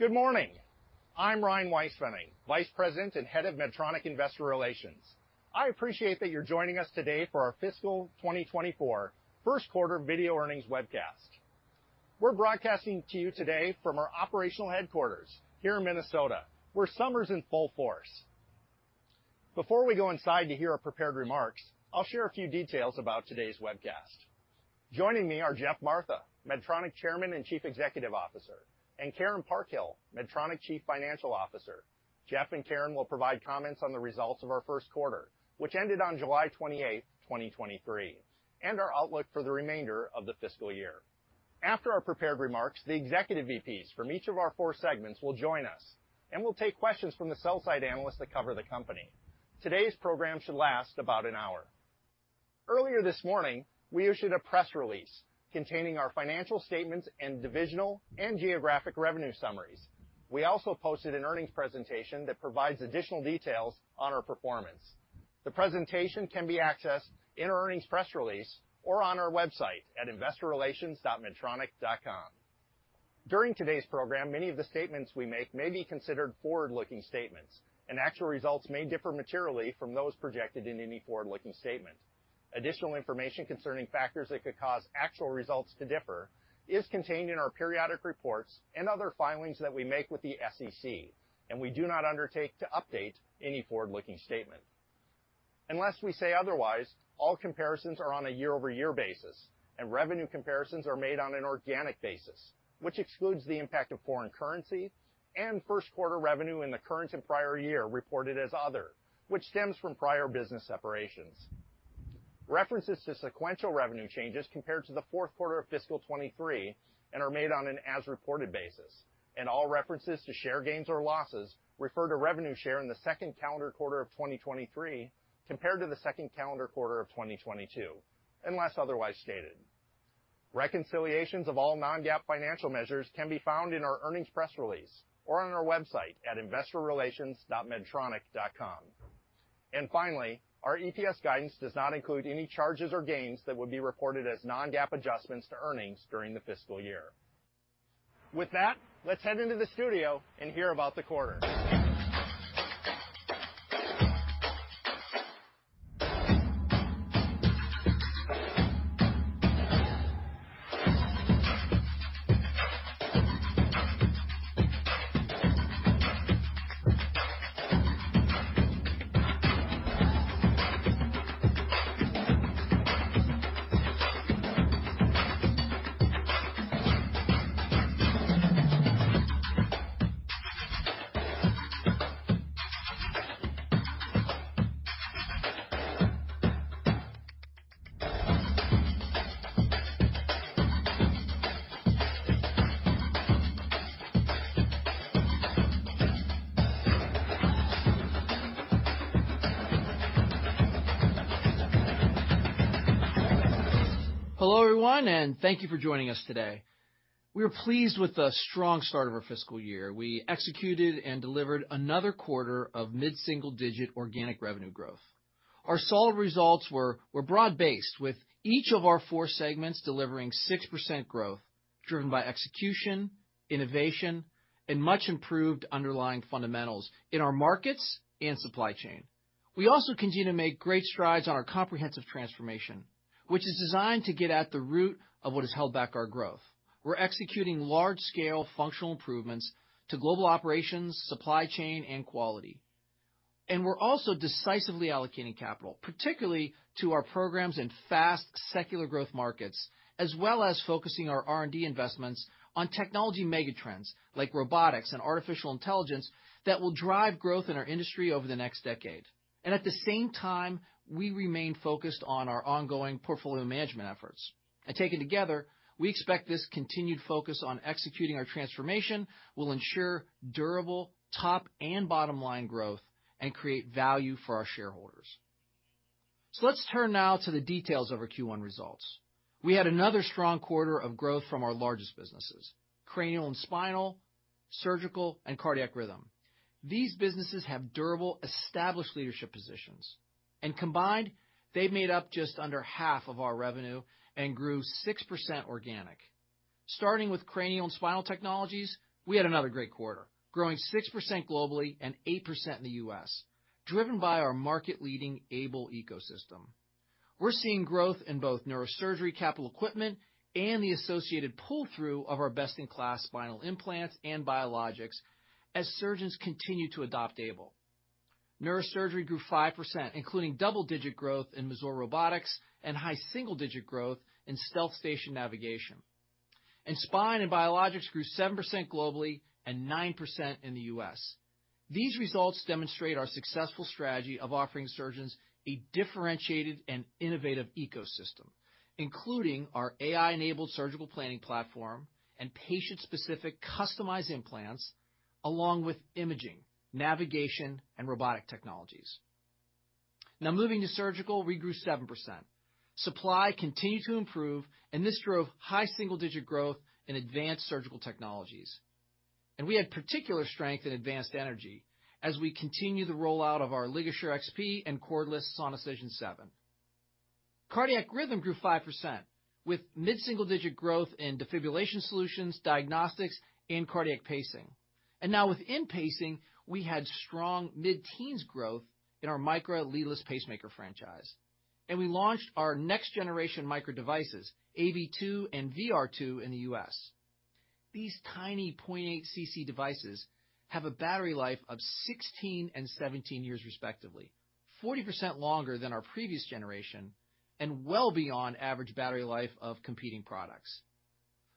Good morning! I'm Ryan Weispfenning, Vice President and Head of Medtronic Investor Relations. I appreciate that you're joining us today for our fiscal 2024 first quarter video earnings webcast. We're broadcasting to you today from our operational headquarters here in Minnesota, where summer's in full force. Before we go inside to hear our prepared remarks, I'll share a few details about today's webcast. Joining me are Geoff Martha, Medtronic Chairman and Chief Executive Officer, and Karen Parkhill, Medtronic Chief Financial Officer. Geoff and Karen will provide comments on the results of our first quarter, which ended on July 28, 2023, and our outlook for the remainder of the fiscal year. After our prepared remarks, the executive VPs from each of our 4 segments will join us, and we'll take questions from the sell side analysts that cover the company. Today's program should last about an hour. Earlier this morning, we issued a press release containing our financial statements and divisional and geographic revenue summaries. We also posted an earnings presentation that provides additional details on our performance. The presentation can be accessed in our earnings press release or on our website at investorrelations.medtronic.com. During today's program, many of the statements we make may be considered forward-looking statements. Actual results may differ materially from those projected in any forward-looking statement. Additional information concerning factors that could cause actual results to differ is contained in our periodic reports and other filings that we make with the SEC. We do not undertake to update any forward-looking statement. Unless we say otherwise, all comparisons are on a year-over-year basis, and revenue comparisons are made on an organic basis, which excludes the impact of foreign currency and first quarter revenue in the current and prior year reported as Other, which stems from prior business separations. References to sequential revenue changes compared to the fourth quarter of fiscal 2023 and are made on an as reported basis, and all references to share gains or losses refer to revenue share in the second calendar quarter of 2023 compared to the second calendar quarter of 2022, unless otherwise stated. Reconciliations of all non-GAAP financial measures can be found in our earnings press release or on our website at investorrelations.medtronic.com. Finally, our EPS guidance does not include any charges or gains that would be reported as non-GAAP adjustments to earnings during the fiscal year. With that, let's head into the studio and hear about the quarter. Hello, everyone. Thank you for joining us today. We are pleased with the strong start of our fiscal year. We executed and delivered another quarter of mid-single-digit organic revenue growth. Our solid results were broad-based, with each of our 4 segments delivering 6% growth, driven by execution, innovation, and much improved underlying fundamentals in our markets and supply chain. We also continue to make great strides on our comprehensive transformation, which is designed to get at the root of what has held back our growth. We're executing large-scale functional improvements to global operations, supply chain, and quality. We're also decisively allocating capital, particularly to our programs in fast secular growth markets, as well as focusing our R&D investments on technology megatrends, like robotics and artificial intelligence, that will drive growth in our industry over the next decade. At the same time, we remain focused on our ongoing portfolio management efforts. Taken together, we expect this continued focus on executing our transformation will ensure durable top and bottom line growth and create value for our shareholders. Let's turn now to the details of our Q1 results. We had another strong quarter of growth from our largest businesses, Cranial and Spinal, Surgical, and Cardiac Rhythm. These businesses have durable, established leadership positions, and combined, they made up just under half of our revenue and grew 6% organic. Starting with Cranial and Spinal Technologies, we had another great quarter, growing 6% globally and 8% in the U.S., driven by our market-leading Aible ecosystem. We're seeing growth in both neurosurgery capital equipment and the associated pull-through of our best-in-class spinal implants and biologics as surgeons continue to adopt Aible. Neurosurgery grew 5%, including double-digit growth in Mazor Robotics and high single-digit growth in StealthStation navigation. Spine and biologics grew 7% globally and 9% in the U.S. These results demonstrate our successful strategy of offering surgeons a differentiated and innovative ecosystem, including our AI-enabled surgical planning platform and patient-specific customized implants, along with imaging, navigation, and robotic technologies. Now, moving to surgical, we grew 7%. Supply continued to improve, and this drove high single-digit growth in advanced surgical technologies. We had particular strength in advanced energy as we continue the rollout of our LigaSure XP and cordless Sonicision 7. Cardiac rhythm grew 5%, with mid-single-digit growth in defibrillation solutions, diagnostics, and cardiac pacing. Now within pacing, we had strong mid-teens growth in our Micra leadless pacemaker franchise, and we launched our next-generation Micra devices, AV2 and VR2, in the U.S. These tiny 0.8 cc devices have a battery life of 16 and 17 years respectively, 40% longer than our previous generation and well beyond average battery life of competing products.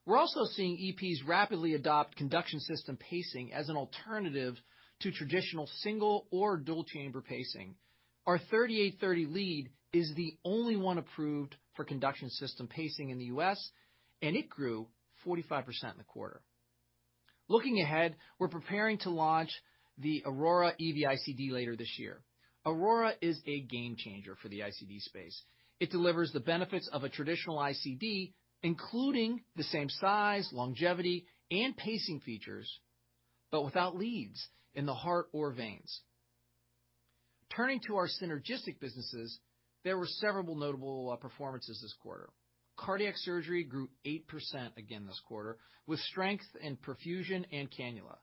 We're also seeing EPs rapidly adopt conduction system pacing as an alternative to traditional single or dual-chamber pacing. Our 3830 lead is the only one approved for conduction system pacing in the U.S., and it grew 45% in the quarter. Looking ahead, we're preparing to launch the Aurora EV-ICD later this year. Aurora is a game changer for the ICD space. It delivers the benefits of a traditional ICD, including the same size, longevity, and pacing features, but without leads in the heart or veins. Turning to our synergistic businesses, there were several notable performances this quarter. Cardiac surgery grew 8% again this quarter, with strength in perfusion and cannula.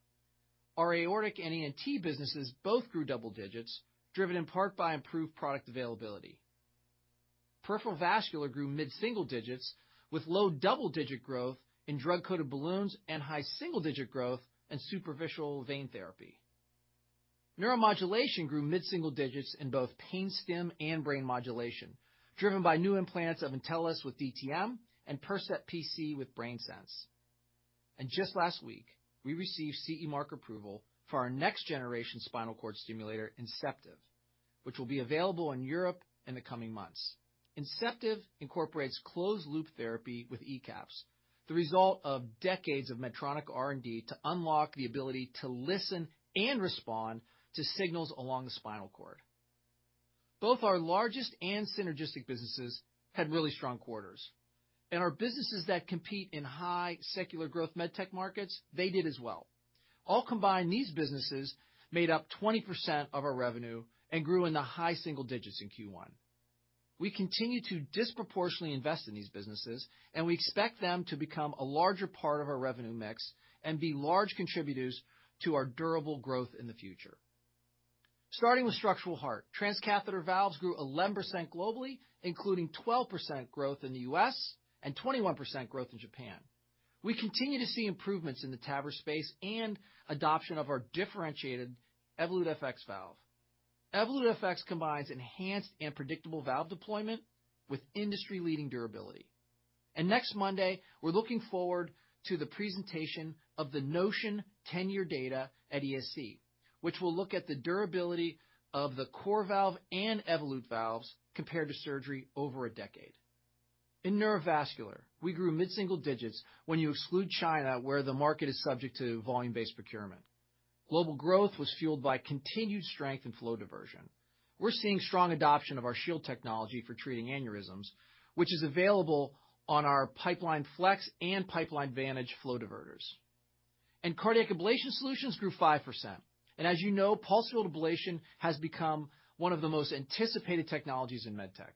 Our aortic and ANT businesses both grew double digits, driven in part by improved product availability. Peripheral vascular grew mid-single digits, with low double-digit growth in drug-coated balloons and high single-digit growth in superficial vein therapy. Neuromodulation grew mid-single digits in both pain stim and brain modulation, driven by new implants of Intellis with DTM and Percept PC with BrainSense. Just last week, we received CE mark approval for our next-generation spinal cord stimulator, Inceptiv, which will be available in Europe in the coming months. Inceptiv incorporates closed-loop therapy with ECAPs, the result of decades of Medtronic R&D to unlock the ability to listen and respond to signals along the spinal cord. Both our largest and synergistic businesses had really strong quarters, and our businesses that compete in high secular growth med tech markets, they did as well. All combined, these businesses made up 20% of our revenue and grew in the high single digits in Q1. We continue to disproportionately invest in these businesses, we expect them to become a larger part of our revenue mix and be large contributors to our durable growth in the future. Starting with Structural Heart, transcatheter valves grew 11% globally, including 12% growth in the U.S. and 21% growth in Japan. We continue to see improvements in the TAVR space and adoption of our differentiated Evolut FX valve. Evolut FX combines enhanced and predictable valve deployment with industry-leading durability. Next Monday, we're looking forward to the presentation of the NOTION 10-year data at ESC, which will look at the durability of the CoreValve and Evolut valves compared to surgery over a decade. In neurovascular, we grew mid-single digits when you exclude China, where the market is subject to volume-based procurement. Global growth was fueled by continued strength and flow diversion. We're seeing strong adoption of our Shield Technology for treating aneurysms, which is available on our Pipeline Flex and Pipeline Vantage flow diverters. Cardiac ablation solutions grew 5%. As you know, pulsed field ablation has become one of the most anticipated technologies in med tech,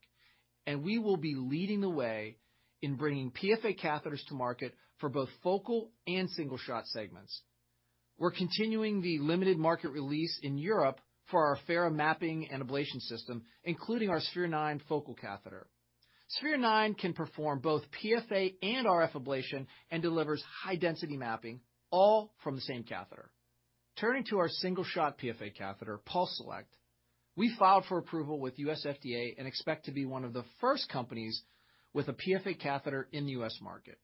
and we will be leading the way in bringing PFA catheters to market for both focal and single-shot segments. We're continuing the limited market release in Europe for our Affera Mapping and Ablation System, including our Sphere-9 focal catheter. Sphere-9 can perform both PFA and RF ablation and delivers high-density mapping, all from the same catheter. Turning to our single-shot PFA catheter, PulseSelect, we filed for approval with U.S. FDA and expect to be one of the first companies with a PFA catheter in the U.S. market.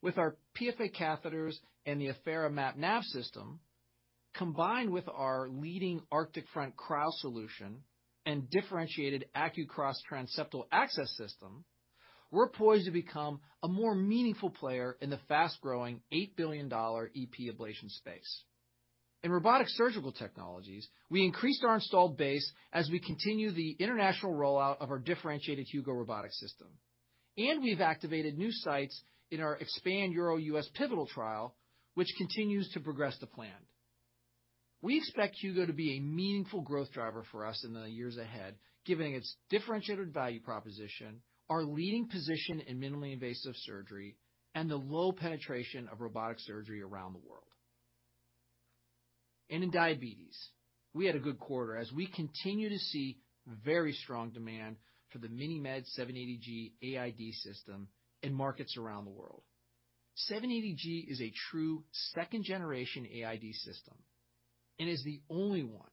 With our PFA catheters and the Affera MapNav system, combined with our leading Arctic Front cryo solution and differentiated AcQCross transseptal access system, we're poised to become a more meaningful player in the fast-growing $8 billion EP ablation space. In robotic surgical technologies, we increased our installed base as we continue the international rollout of our differentiated Hugo robotic system, we've activated new sites in our EXPAND URO U.S. pivotal trial, which continues to progress the plan. We expect Hugo to be a meaningful growth driver for us in the years ahead, given its differentiated value proposition, our leading position in minimally invasive surgery, and the low penetration of robotic surgery around the world. In Diabetes, we had a good quarter as we continue to see very strong demand for the MiniMed 780G AID system in markets around the world. 780G is a true second-generation AID system and is the only one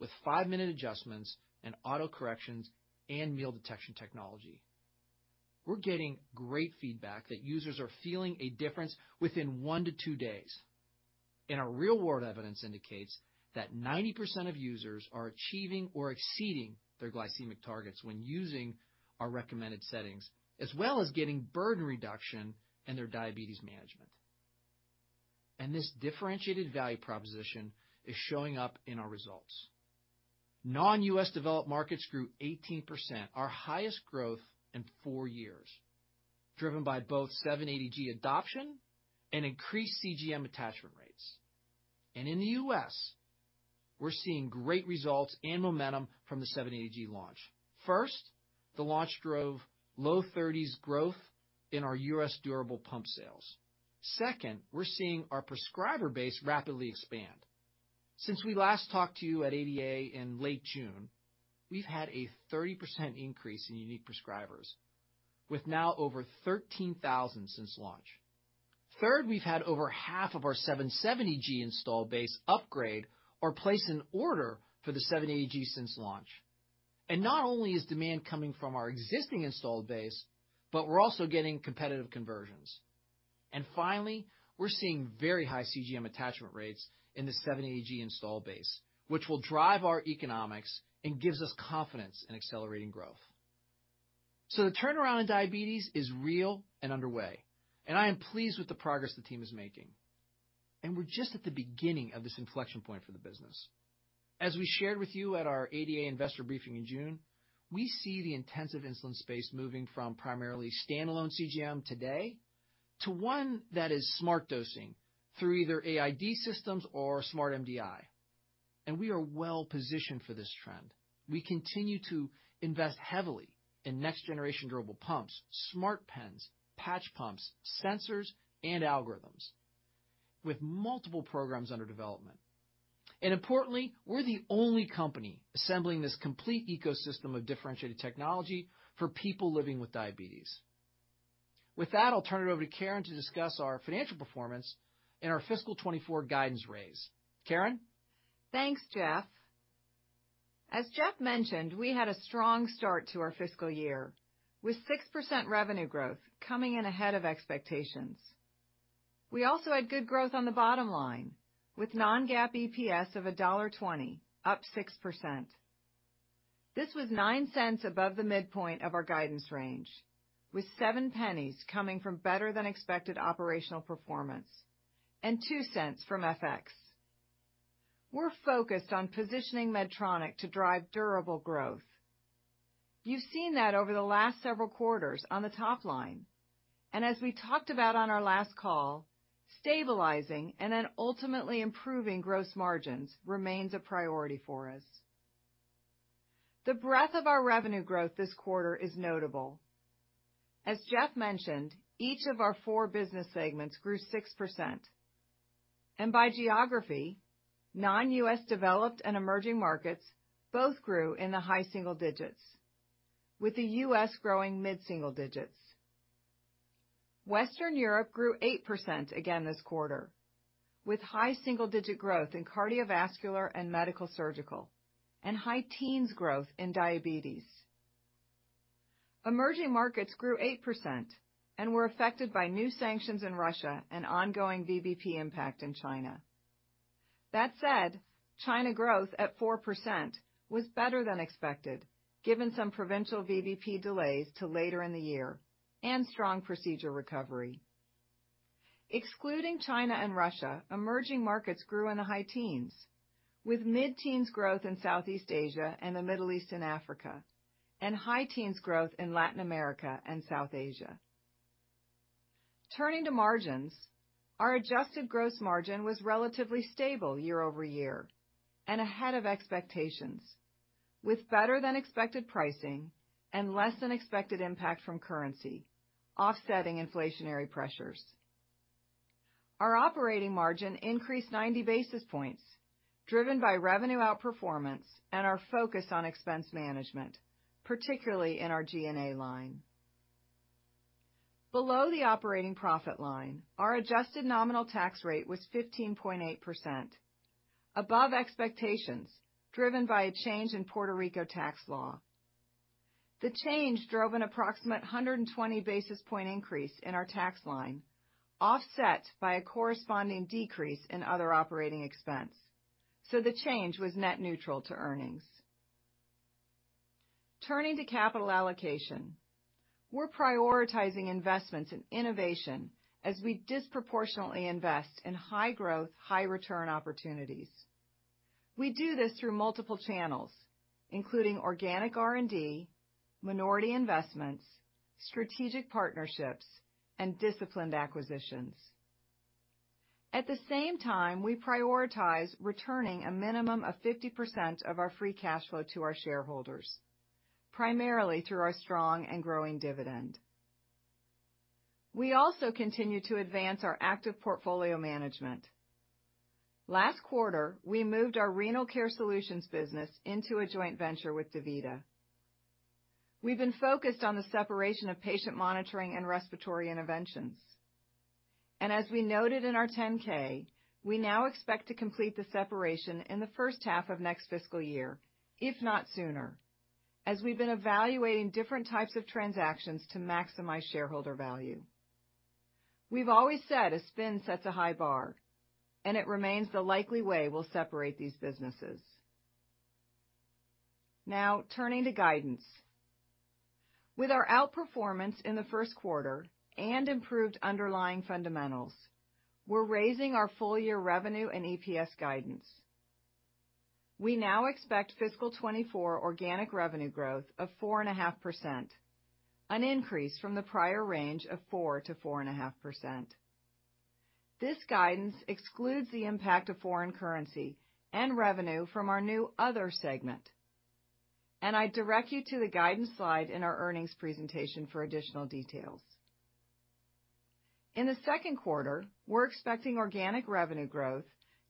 with 5-minute adjustments and autocorrections and meal detection technology. We're getting great feedback that users are feeling a difference within 1 to 2 days. Our real-world evidence indicates that 90% of users are achieving or exceeding their glycemic targets when using our recommended settings, as well as getting burden reduction in their Diabetes management. This differentiated value proposition is showing up in our results. Non-U.S. developed markets grew 18%, our highest growth in 4 years, driven by both 780G adoption and increased CGM attachment rates. In the U.S., we're seeing great results and momentum from the 780G launch. First, the launch drove low 30s growth in our US durable pump sales. Second, we're seeing our prescriber base rapidly expand. Since we last talked to you at ADA in late June, we've had a 30% increase in unique prescribers, with now over 13,000 since launch. Third, we've had over half of our 770G install base upgrade or place an order for the 780G since launch. Not only is demand coming from our existing installed base, but we're also getting competitive conversions. Finally, we're seeing very high CGM attachment rates in the 780G install base, which will drive our economics and gives us confidence in accelerating growth. The turnaround in diabetes is real and underway, and I am pleased with the progress the team is making, and we're just at the beginning of this inflection point for the business. As we shared with you at our ADA Investor Briefing in June, we see the intensive insulin space moving from primarily standalone CGM today, to one that is smart dosing through either AID systems or smart MDI. We are well positioned for this trend. We continue to invest heavily in next generation durable pumps, smart pens, patch pumps, sensors, and algorithms, with multiple programs under development. Importantly, we're the only company assembling this complete ecosystem of differentiated technology for people living with diabetes. With that, I'll turn it over to Karen to discuss our financial performance and our fiscal 24 guidance raise. Karen? Thanks, Geoff. As Geoff mentioned, we had a strong start to our fiscal year, with 6% revenue growth coming in ahead of expectations. We also had good growth on the bottom line, with non-GAAP EPS of $1.20, up 6%. This was $0.09 above the midpoint of our guidance range, with $0.07 coming from better-than-expected operational performance and $0.02 from FX. We're focused on positioning Medtronic to drive durable growth. You've seen that over the last several quarters on the top line, and as we talked about on our last call, stabilizing and then ultimately improving gross margins remains a priority for us. The breadth of our revenue growth this quarter is notable. As Geoff mentioned, each of our 4 business segments grew 6%, and by geography, non-US developed and emerging markets both grew in the high single digits, with the U.S. growing mid-single digits. Western Europe grew 8% again this quarter, with high single-digit growth in Cardiovascular and Medical Surgical, and high teens growth in Diabetes. Emerging markets grew 8% and were affected by new sanctions in Russia and ongoing VBP impact in China. That said, China growth at 4% was better than expected, given some provincial VBP delays to later in the year and strong procedure recovery. Excluding China and Russia, emerging markets grew in the high teens, with mid-teens growth in Southeast Asia and the Middle East and Africa, and high teens growth in Latin America and South Asia. Turning to margins, our adjusted gross margin was relatively stable year-over-year and ahead of expectations, with better-than-expected pricing and less-than-expected impact from currency offsetting inflationary pressures. Our operating margin increased 90 basis points, driven by revenue outperformance and our focus on expense management, particularly in our G&A line. Below the operating profit line, our adjusted nominal tax rate was 15.8%, above expectations, driven by a change in Puerto Rico tax law. The change drove an approximate 120 basis point increase in our tax line, offset by a corresponding decrease in other operating expense, the change was net neutral to earnings. Turning to capital allocation. We're prioritizing investments in innovation as we disproportionately invest in high growth, high return opportunities. We do this through multiple channels, including organic R&D, minority investments, strategic partnerships, and disciplined acquisitions. At the same time, we prioritize returning a minimum of 50% of our free cash flow to our shareholders, primarily through our strong and growing dividend. We also continue to advance our active portfolio management. Last quarter, we moved our Renal Care Solutions business into a joint venture with DaVita. We've been focused on the separation of Patient Monitoring and Respiratory Interventions, and as we noted in our 10-K, we now expect to complete the separation in the first half of next fiscal year, if not sooner, as we've been evaluating different types of transactions to maximize shareholder value. We've always said a spin sets a high bar, and it remains the likely way we'll separate these businesses. Turning to guidance. With our outperformance in the first quarter and improved underlying fundamentals, we're raising our full year revenue and EPS guidance. We now expect fiscal 2024 organic revenue growth of 4.5%, an increase from the prior range of 4%-4.5%. This guidance excludes the impact of foreign currency and revenue from our new other segment. I direct you to the guidance slide in our earnings presentation for additional details. In the second quarter, we're expecting organic revenue growth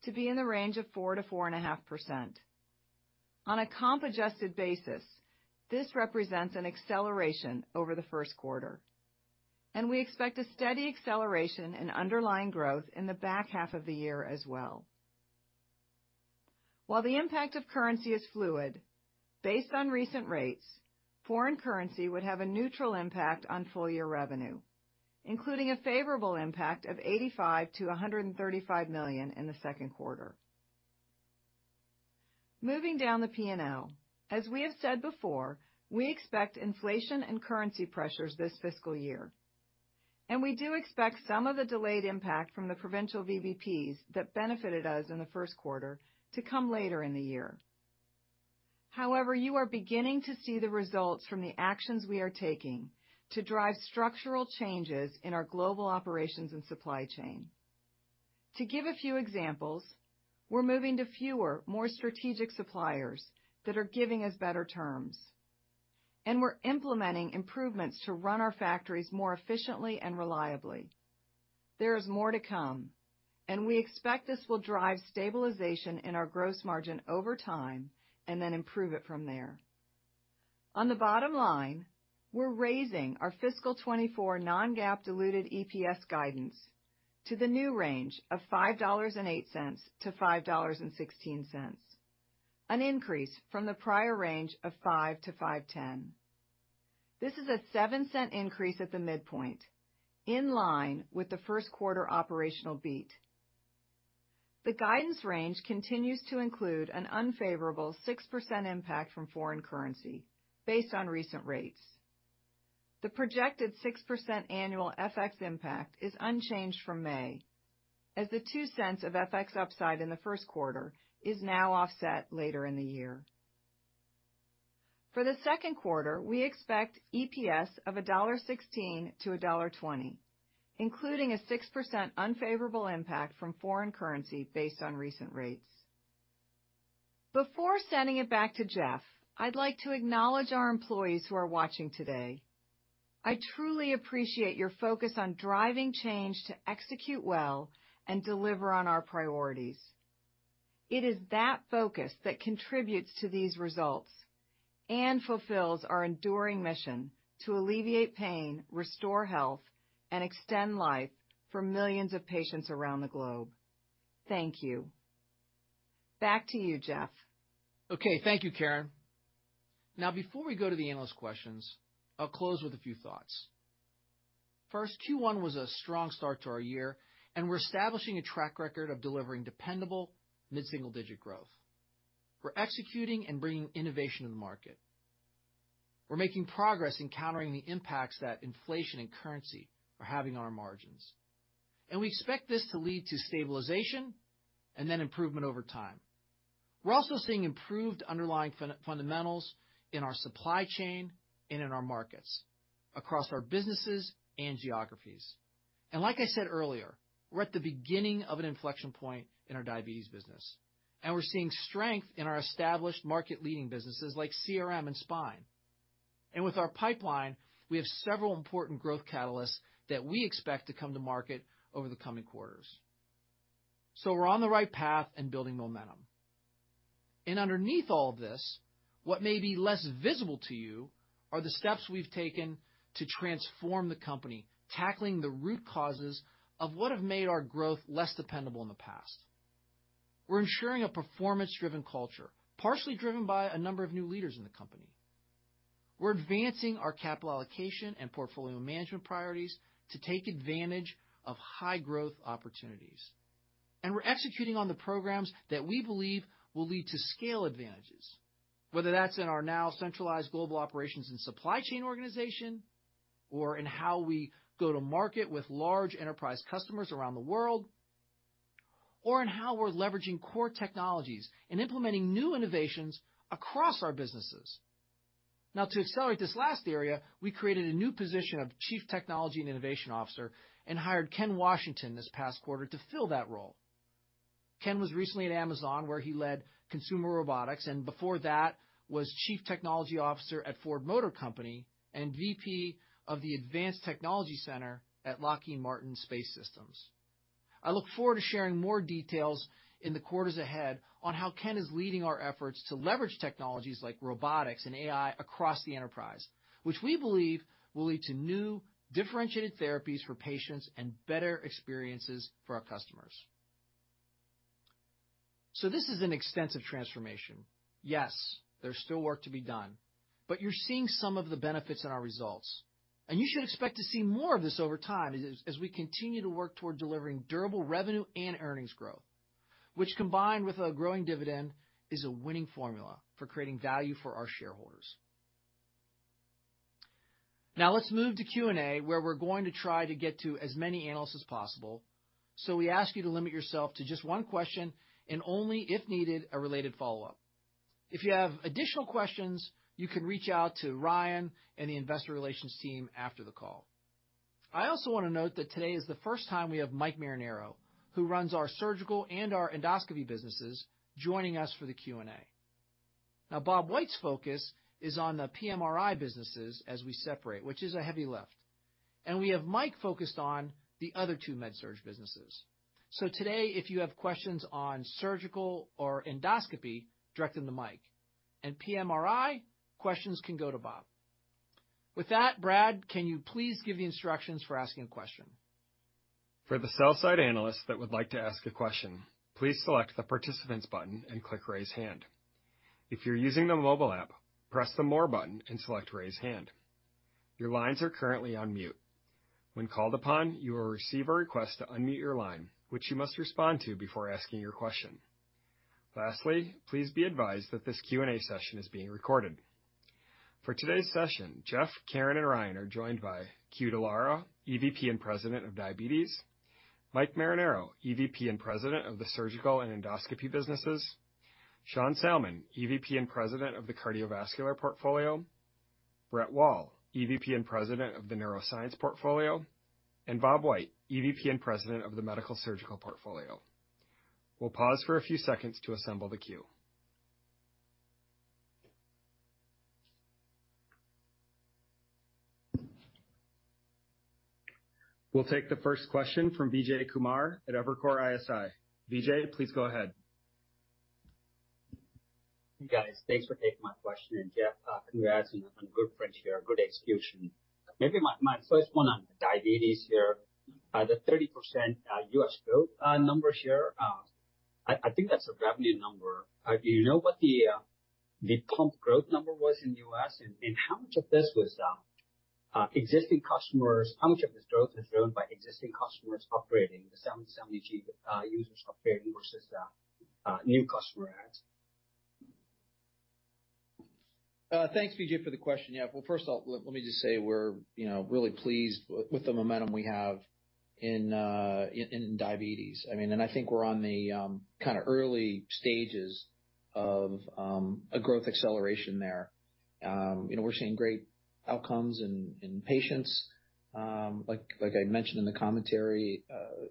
to be in the range of 4%-4.5%. On a comp adjusted basis, this represents an acceleration over the first quarter. We expect a steady acceleration in underlying growth in the back half of the year as well. While the impact of currency is fluid, based on recent rates, foreign currency would have a neutral impact on full year revenue, including a favorable impact of $85 million-$135 million in the second quarter. Moving down the P&L, as we have said before, we expect inflation and currency pressures this fiscal year, and we do expect some of the delayed impact from the provincial VBPs that benefited us in the first quarter to come later in the year. However, you are beginning to see the results from the actions we are taking to drive structural changes in our global operations and supply chain. To give a few examples, we're moving to fewer, more strategic suppliers that are giving us better terms, and we're implementing improvements to run our factories more efficiently and reliably. There is more to come, and we expect this will drive stabilization in our gross margin over time and then improve it from there. On the bottom line, we're raising our fiscal 2024 non-GAAP diluted EPS guidance to the new range of $5.08-$5.16, an increase from the prior range of $5.00-$5.10. This is a $0.07 increase at the midpoint, in line with the first quarter operational beat. The guidance range continues to include an unfavorable 6% impact from foreign currency based on recent rates. The projected 6% annual FX impact is unchanged from May, as the $0.02 of FX upside in the first quarter is now offset later in the year. For the second quarter, we expect EPS of $1.16-$1.20, including a 6% unfavorable impact from foreign currency based on recent rates. Before sending it back to Geoff, I'd like to acknowledge our employees who are watching today. I truly appreciate your focus on driving change to execute well and deliver on our priorities. It is that focus that contributes to these results and fulfills our enduring mission to alleviate pain, restore health, and extend life for millions of patients around the globe. Thank you. Back to you, Geoff. Okay, thank you, Karen. Now, before we go to the analyst questions, I'll close with a few thoughts. First, Q1 was a strong start to our year, and we're establishing a track record of delivering dependable mid-single-digit growth. We're executing and bringing innovation to the market. We're making progress in countering the impacts that inflation and currency are having on our margins, and we expect this to lead to stabilization and then improvement over time. We're also seeing improved underlying fundamentals in our supply chain and in our markets, across our businesses and geographies. Like I said earlier, we're at the beginning of an inflection point in our diabetes business, and we're seeing strength in our established market-leading businesses like CRM and Spine. With our pipeline, we have several important growth catalysts that we expect to come to market over the coming quarters. We're on the right path and building momentum. Underneath all of this, what may be less visible to you are the steps we've taken to transform the company, tackling the root causes of what have made our growth less dependable in the past. We're ensuring a performance-driven culture, partially driven by a number of new leaders in the company. We're advancing our capital allocation and portfolio management priorities to take advantage of high growth opportunities, we're executing on the programs that we believe will lead to scale advantages, whether that's in our now centralized global operations and supply chain organization, or in how we go to market with large enterprise customers around the world, or in how we're leveraging core technologies and implementing new innovations across our businesses. To accelerate this last area, we created a new position of Chief Technology and Innovation Officer and hired Ken Washington this past quarter to fill that role. Ken was recently at Amazon, where he led consumer robotics, and before that, was Chief Technology Officer at Ford Motor Company and VP of the Advanced Technology Center at Lockheed Martin Space Systems. I look forward to sharing more details in the quarters ahead on how Ken is leading our efforts to leverage technologies like robotics and AI across the enterprise, which we believe will lead to new differentiated therapies for patients and better experiences for our customers. This is an extensive transformation. Yes, there's still work to be done, but you're seeing some of the benefits in our results, and you should expect to see more of this over time as we continue to work toward delivering durable revenue and earnings growth, which, combined with a growing dividend, is a winning formula for creating value for our shareholders. Let's move to Q&A, where we're going to try to get to as many analysts as possible. We ask you to limit yourself to just one question and only, if needed, a related follow-up. If you have additional questions, you can reach out to Ryan and the investor relations team after the call. I also want to note that today is the first time we have Mike Marinaro, who runs our surgical and our endoscopy businesses, joining us for the Q&A. Bob White's focus is on the PMRI businesses as we separate, which is a heavy lift, and we have Mike focused on the other two med surg businesses. Today, if you have questions on surgical or endoscopy, direct them to Mike, and PMRI, questions can go to Bob. With that, Brad, can you please give the instructions for asking a question? For the sell-side analysts that would like to ask a question, please select the Participants button and click Raise Hand. If you're using the mobile app, press the More button and select Raise Hand. Your lines are currently on mute. When called upon, you will receive a request to unmute your line, which you must respond to before asking your question. Lastly, please be advised that this Q&A session is being recorded. For today's session, Geoff, Karen, and Ryan are joined by Que Dallara, EVP and President of Diabetes, Mike Marinaro, EVP and President of the Surgical and Endoscopy Businesses, Sean Salmon, EVP and President of the Cardiovascular Portfolio, Brett Wall, EVP and President of the Neuroscience Portfolio, and Bob White, EVP and President of the Medical Surgical Portfolio. We'll pause for a few seconds to assemble the queue. We'll take the first question from Vijay Kumar at Evercore ISI. Vijay, please go ahead. Hey, guys. Thanks for taking my question. Geoff, congrats on good friends here. Good execution. Maybe my first one on diabetes here. The 30% US growth numbers here, I think that's a revenue number. Do you know what the pump growth number was in US, and how much of this was existing customers? How much of this growth is driven by existing customers upgrading the 770G users versus new customer adds? Thanks, Vijay, for the question. Yeah. Well, first of all, let me just say we're, you know, really pleased with the momentum we have in Diabetes. I mean, I think we're on the kind of early stages of a growth acceleration there. You know, we're seeing great outcomes in patients. Like I mentioned in the commentary,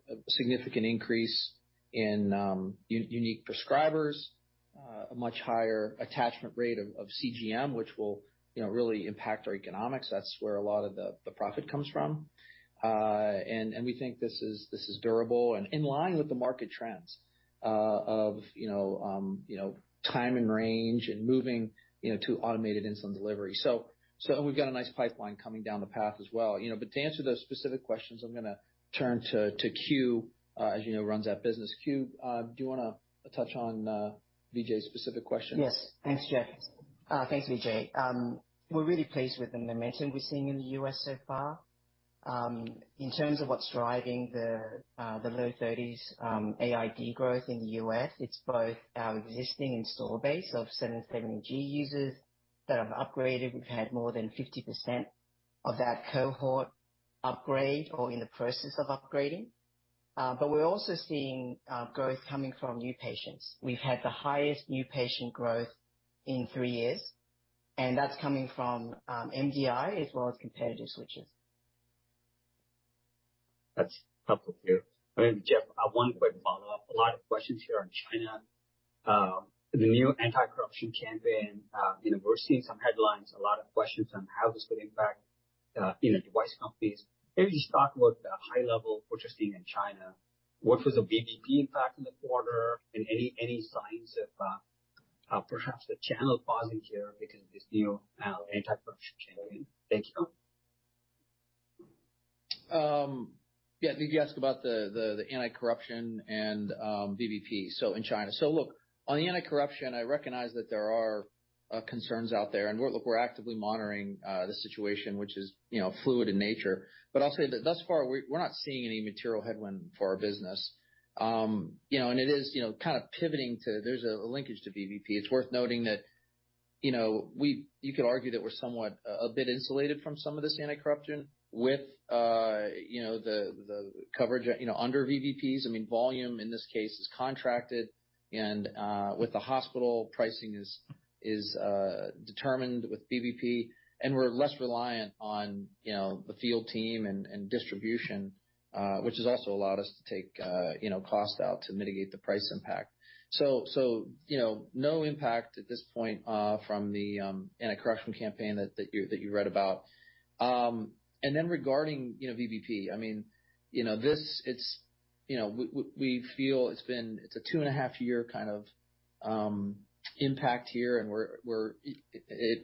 a significant increase in unique prescribers, a much higher attachment rate of CGM, which will, you know, really impact our economics. That's where a lot of the profit comes from. We think this is durable and in line with the market trends, of, you know, time and range and moving, you know, to automated insulin delivery. We've got a nice pipeline coming down the path as well. You know, to answer those specific questions, I'm going to turn to, to Que, as you know, runs that business. Que, do you wanna touch on Vijay's specific questions? Yes. Thanks, Geoff. Thanks, Vijay. We're really pleased with the momentum we're seeing in the U.S. so far. In terms of what's driving the low 30s AID growth in the U.S., it's both our existing install base of 770G users that have upgraded. We've had more than 50% of that cohort upgrade or in the process of upgrading. We're also seeing growth coming from new patients. We've had the highest new patient growth in 3 years, and that's coming from MDI as well as competitive switches. That's helpful to hear. Maybe, Geoff, one quick follow-up. A lot of questions here on China. The new anti-corruption campaign, you know, we're seeing some headlines, a lot of questions on how this could impact, you know, device companies. Maybe just talk about the high level what you're seeing in China. What was the VBP impact in the quarter? Any, any signs of perhaps the channel pausing here because of this new anti-corruption campaign? Thank you. Yeah, Vijay asked about the, the, the anti-corruption and VBP, so in China. Look, on the anti-corruption, I recognize that there are concerns out there, and we're, look, we're actively monitoring the situation, which is, you know, fluid in nature. I'll say that thus far, we, we're not seeing any material headwind for our business. You know, it is, you know, kind of pivoting to there's a linkage to VBP. It's worth noting that, you know, we, you could argue that we're somewhat a bit insulated from some of this anti-corruption with, you know, the coverage, you know, under VBPs. I mean, volume in this case is contracted and with the hospital, pricing is determined with VBP, and we're less reliant on, you know, the field team and distribution, which has also allowed us to take, you know, costs out to mitigate the price impact. So, you know, no impact at this point from the anti-corruption campaign that, that you, that you read about. Then regarding, you know, VBP, I mean, you know, this, it's, you know, we feel it's been a two-and-a-half-year kind of impact here, and we're, we're...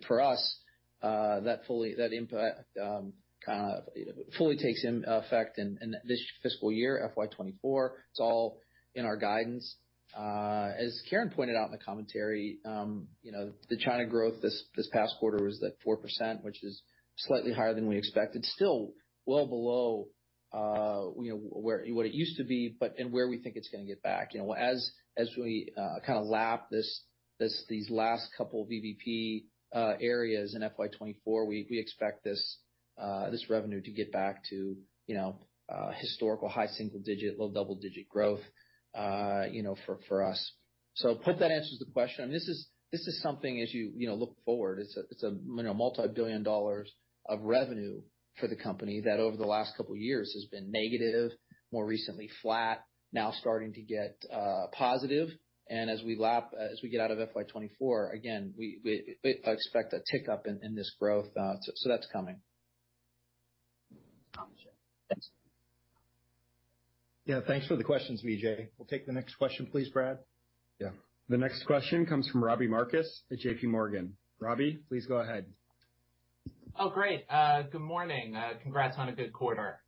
For us, that fully, that impact, kind of, you know, fully takes in effect in this fiscal year, FY 2024. It's all in our guidance. As Karen pointed out in the commentary, you know, the China growth this past quarter was at 4%, which is slightly higher than we expected. Still well below, you know, where, what it used to be, but, and where we think it's gonna get back. You know, as we, kind of lap this, these last couple VBP areas in FY 2024, we expect this revenue to get back to, you know, historical high single-digit, low double-digit growth, you know, for us. Hope that answers the question. This is, this is something as you, you know, look forward, it's a, it's a, you know, multibillion dollars of revenue for the company that over the last couple of years has been negative, more recently flat, now starting to get positive. As we lap-- as we get out of FY 2024, again, we, we, I expect a tick up in, in this growth. That's coming. Thanks. Thanks for the questions, Vijay. We'll take the next question, please, Brad. Yeah. The next question comes from Robbie Marcus at JP Morgan. Robbie, please go ahead. Oh, great. Good morning. Congrats on a good quarter.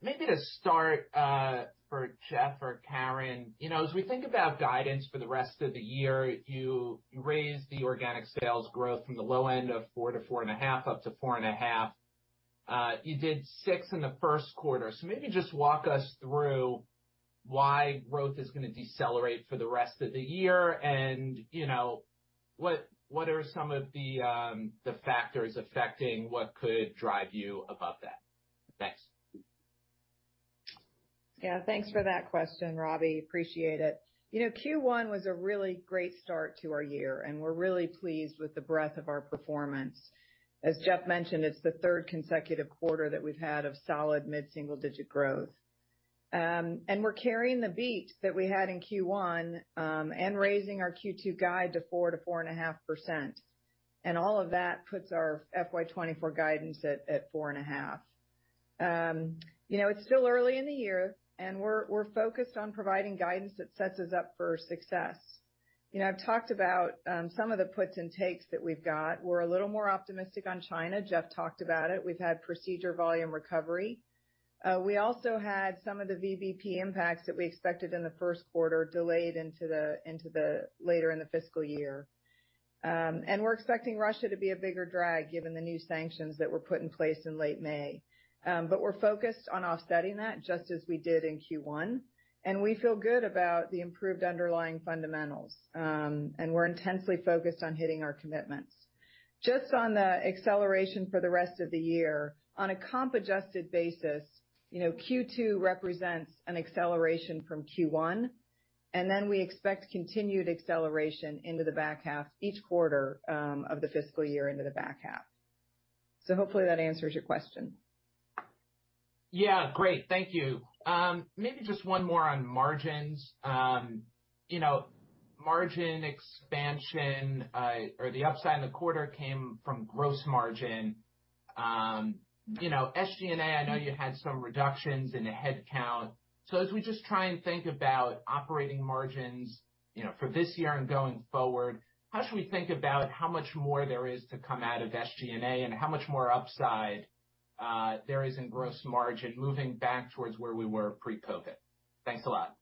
Maybe to start, for Geoff or Karen, you know, as we think about guidance for the rest of the year, you raised the organic sales growth from the low end of 4%-4.5%, up to 4.5%. You did 6% in the first quarter. Maybe just walk us through why growth is going to decelerate for the rest of the year, and, you know, what, what are some of the factors affecting what could drive you above that? Thanks. Yeah, thanks for that question, Robbie. Appreciate it. You know, Q1 was a really great start to our year, and we're really pleased with the breadth of our performance. As Geoff mentioned, it's the third consecutive quarter that we've had of solid mid-single-digit growth. We're carrying the beat that we had in Q1 and raising our Q2 guide to 4%-4.5%. All of that puts our FY 2024 guidance at 4.5%. You know, it's still early in the year, and we're, we're focused on providing guidance that sets us up for success. You know, I've talked about some of the puts and takes that we've got. We're a little more optimistic on China. Geoff talked about it. We've had procedure volume recovery. We also had some of the VBP impacts that we expected in the first quarter, delayed into the, into the later in the fiscal year. We're expecting Russia to be a bigger drag given the new sanctions that were put in place in late May. We're focused on offsetting that just as we did in Q1, and we feel good about the improved underlying fundamentals. We're intensely focused on hitting our commitments. Just on the acceleration for the rest of the year, on a comp adjusted basis, you know, Q2 represents an acceleration from Q1, and then we expect continued acceleration into the back half, each quarter, of the fiscal year into the back half. Hopefully that answers your question. Yeah, great. Thank you. Maybe just one more on margins. You know, margin expansion, or the upside in the quarter came from gross margin. You know, SGNA, I know you had some reductions in the headcount. As we just try and think about operating margins, you know, for this year and going forward, how should we think about how much more there is to come out of SGNA and how much more upside, there is in gross margin moving back towards where we were pre-COVID? Thanks a lot.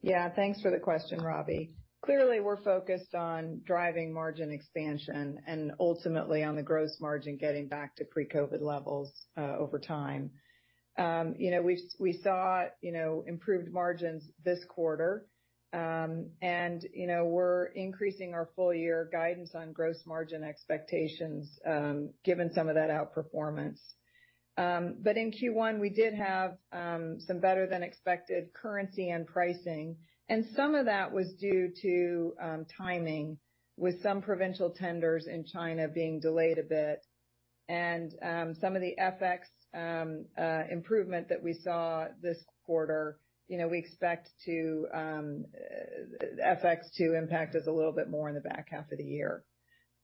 Yeah, thanks for the question, Robbie Marcus. Clearly, we're focused on driving margin expansion and ultimately on the gross margin getting back to pre-COVID levels over time. You know, we, we saw, you know, improved margins this quarter. You know, we're increasing our full year guidance on gross margin expectations given some of that outperformance. In Q1, we did have some better than expected currency and pricing, and some of that was due to timing, with some provincial tenders in China being delayed a bit. Some of the FX improvement that we saw this quarter, you know, we expect FX to impact us a little bit more in the back half of the year.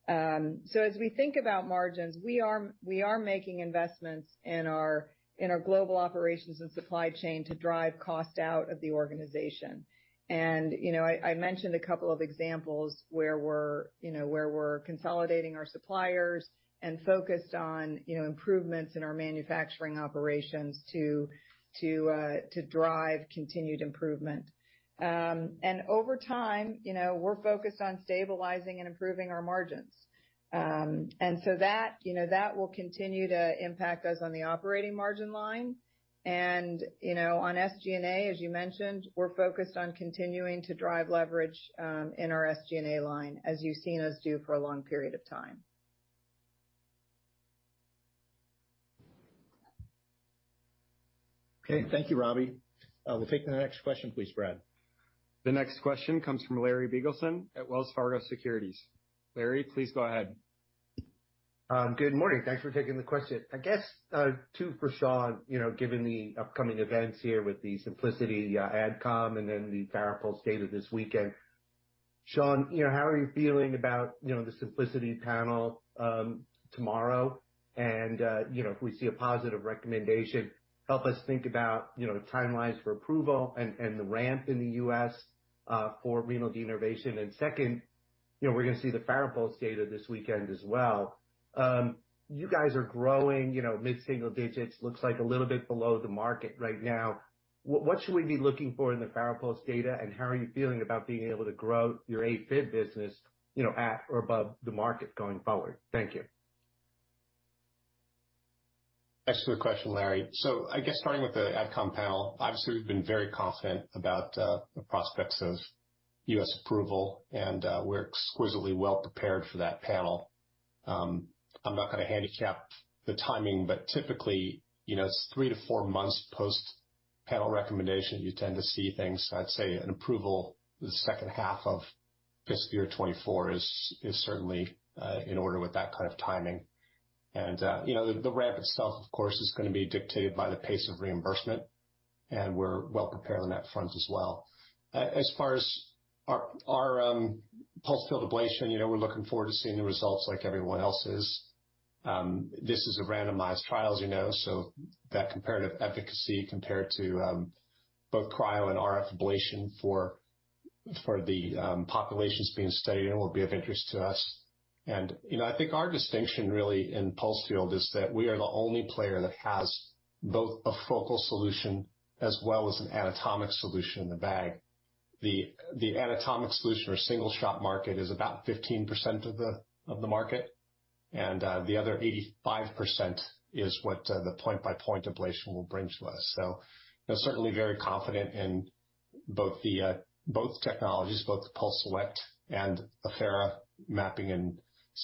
As we think about margins, we are, we are making investments in our, in our global operations and supply chain to drive cost out of the organization. You know, I, I mentioned a couple of examples where we're, you know, where we're consolidating our suppliers and focused on, you know, improvements in our manufacturing operations to, to drive continued improvement. Over time, you know, we're focused on stabilizing and improving our margins. That, you know, that will continue to impact us on the operating margin line. You know, on SG&A, as you mentioned, we're focused on continuing to drive leverage in our SG&A line, as you've seen us do for a long period of time. Okay. Thank you, Robbie. We'll take the next question, please, Brad. The next question comes from Larry Biegelsen at Wells Fargo Securities. Larry, please go ahead. Good morning. Thanks for taking the question. I guess, two for Sean. You know, given the upcoming events here with the Symplicity, AdCom and then the Farapulse data this weekend. Sean, you know, how are you feeling about, you know, the Symplicity panel, tomorrow? If we see a positive recommendation, help us think about, you know, the timelines for approval and, and the ramp in the U.S. for renal denervation. Second, you know, we're going to see the Farapulse data this weekend as well. You guys are growing, you know, mid-single digits. Looks like a little bit below the market right now. What should we be looking for in the Farapulse data, and how are you feeling about being able to grow your AFib business, you know, at or above the market going forward? Thank you. Excellent question, Larry. I guess starting with the AdCom panel, obviously, we've been very confident about the prospects of U.S. approval, and we're exquisitely well prepared for that panel. I'm not going to handicap the timing, but typically, you know, it's three to four months post-panel recommendation, you tend to see things. I'd say an approval in the second half of fiscal year 2024 is certainly in order with that kind of timing. You know, the ramp itself, of course, is going to be dictated by the pace of reimbursement, and we're well prepared on that front as well. As far as our pulsed field ablation, you know, we're looking forward to seeing the results like everyone else is. This is a randomized trial, as you know, so that comparative efficacy compared to both Cryo and RF ablation for, for the populations being studied will be of interest to us. You know, I think our distinction really in pulse field is that we are the only player that has both a focal solution as well as an anatomic solution in the bag. The, the anatomic solution or single-shot market is about 15% of the, of the market, and the other 85% is what the point-by-point ablation will bring to us. So certainly very confident in both the both technologies, both the PulseSelect and Affera mapping and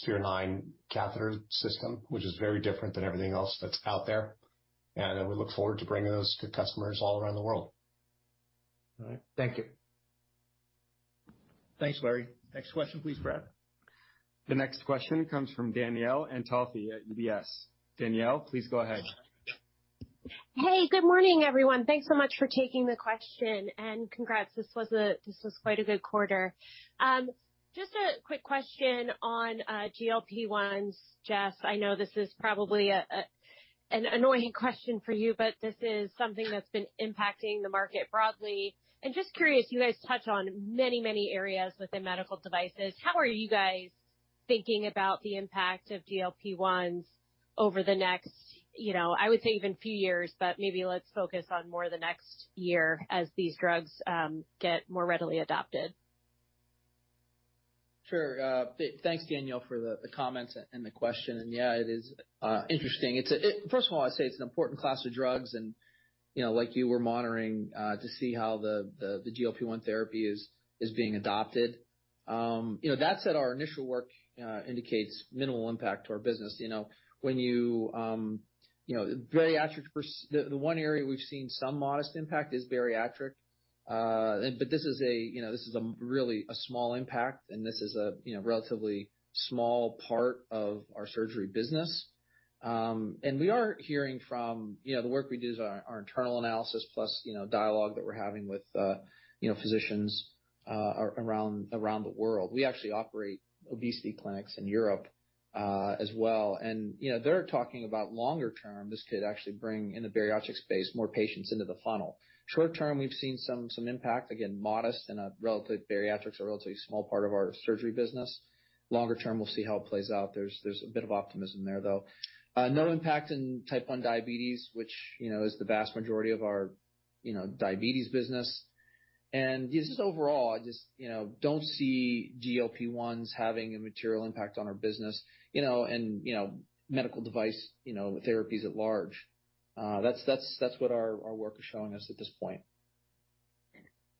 Sphere9 catheter system, which is very different than everything else that's out there. Then we look forward to bringing those to customers all around the world. All right. Thank you. Thanks, Larry. Next question, please, Brad. The next question comes from Danielle Antalffy at UBS. Danielle, please go ahead. Hey, good morning, everyone. Thanks so much for taking the question. Congrats, this was quite a good quarter. Just a quick question on GLP-1s. Geoff, I know this is probably an annoying question for you, but this is something that's been impacting the market broadly. Just curious, you guys touch on many, many areas within medical devices. How are you guys thinking about the impact of GLP-1s over the next, you know, I would say even few years, but maybe let's focus on more the next year as these drugs get more readily adopted? Sure. Thanks, Danielle, for the comments and the question. Yeah, it is interesting. It's a... First of all, I'd say it's an important class of drugs, and, you know, like you, we're monitoring to see how the GLP-1 therapy is being adopted. You know, that said, our initial work indicates minimal impact to our business. You know, when you, you know, bariatric, the one area we've seen some modest impact is bariatric. This is a, you know, this is a really small impact, and this is a, you know, relatively small part of our surgery business. We are hearing from, you know, the work we do is our internal analysis, plus, you know, dialogue that we're having with, you know, physicians, around the world. We actually operate obesity clinics in Europe as well. You know, they're talking about longer term, this could actually bring in the bariatric space, more patients into the funnel. Short term, we've seen some, some impact, again, modest and a relative bariatrics or relatively small part of our surgery business. Longer term, we'll see how it plays out. There's, there's a bit of optimism there, though. No impact in type one diabetes, which, you know, is the vast majority of our, you know, diabetes business. Just overall, I just, you know, don't see GLP-1s having a material impact on our business, you know, and, you know, medical device, you know, therapies at large. That's, that's, that's what our, our work is showing us at this point.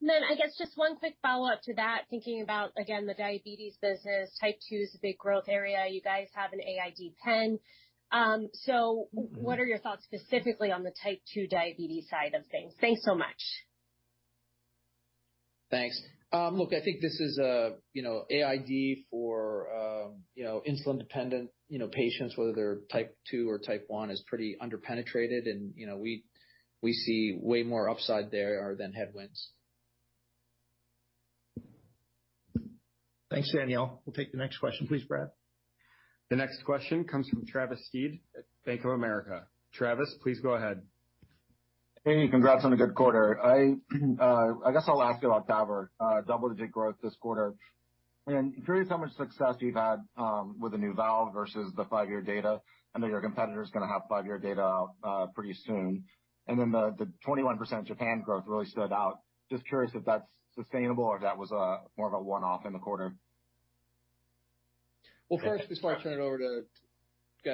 I guess just one quick follow-up to that, thinking about, again, the Diabetes business. Type 2 is a big growth area. You guys have an AID 10. What are your thoughts specifically on the Type 2 diabetes side of things? Thanks so much. Thanks. look, I think this is a, you know, AID for, you know, insulin-dependent, you know, patients, whether they're type 2 or type 1, is pretty underpenetrated. You know, we, we see way more upside there than headwinds. Thanks, Danielle. We'll take the next question, please, Brad. The next question comes from Travis Steed at Bank of America. Travis, please go ahead. Hey, congrats on a good quarter. I, I guess I'll ask you about TAVR. Double-digit growth this quarter. Curious how much success you've had with the new valve versus the 5-year data. I know your competitor is going to have 5-year data pretty soon. The 21% Japan growth really stood out. Just curious if that's sustainable or if that was more of a one-off in the quarter. Well, first, before I turn it over to,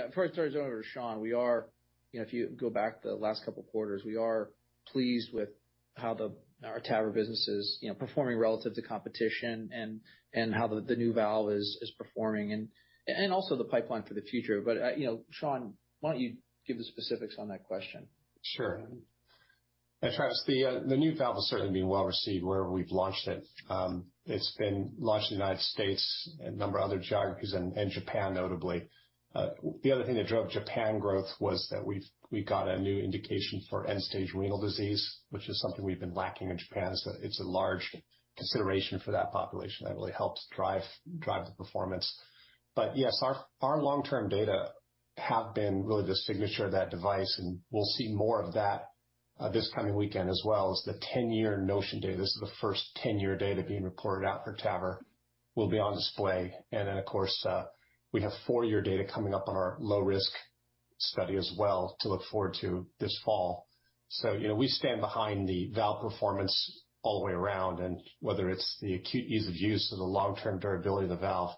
before I turn it over to Sean, we are, you know, if you go back to the last couple of quarters, we are pleased with how our TAVR business is, you know, performing relative to competition and, and how the, the new valve is, is performing and, and also the pipeline for the future. you know, Sean, why don't you give the specifics on that question? Sure. Travis, the new valve is certainly being well received wherever we've launched it. It's been launched in the U.S. and a number of other geographies and Japan, notably. The other thing that drove Japan growth was that we got a new indication for end-stage renal disease, which is something we've been lacking in Japan. It's a large consideration for that population that really helped drive, drive the performance. Yes, our long-term data have been really the signature of that device, and we'll see more of that this coming weekend, as well as the 10-year NOTION data. This is the first 10-year data being reported out for TAVR, will be on display. Then, of course, we have four-year data coming up on our low-risk study as well to look forward to this fall. you know, we stand behind the valve performance all the way around, and whether it's the acute ease of use or the long-term durability of the valve....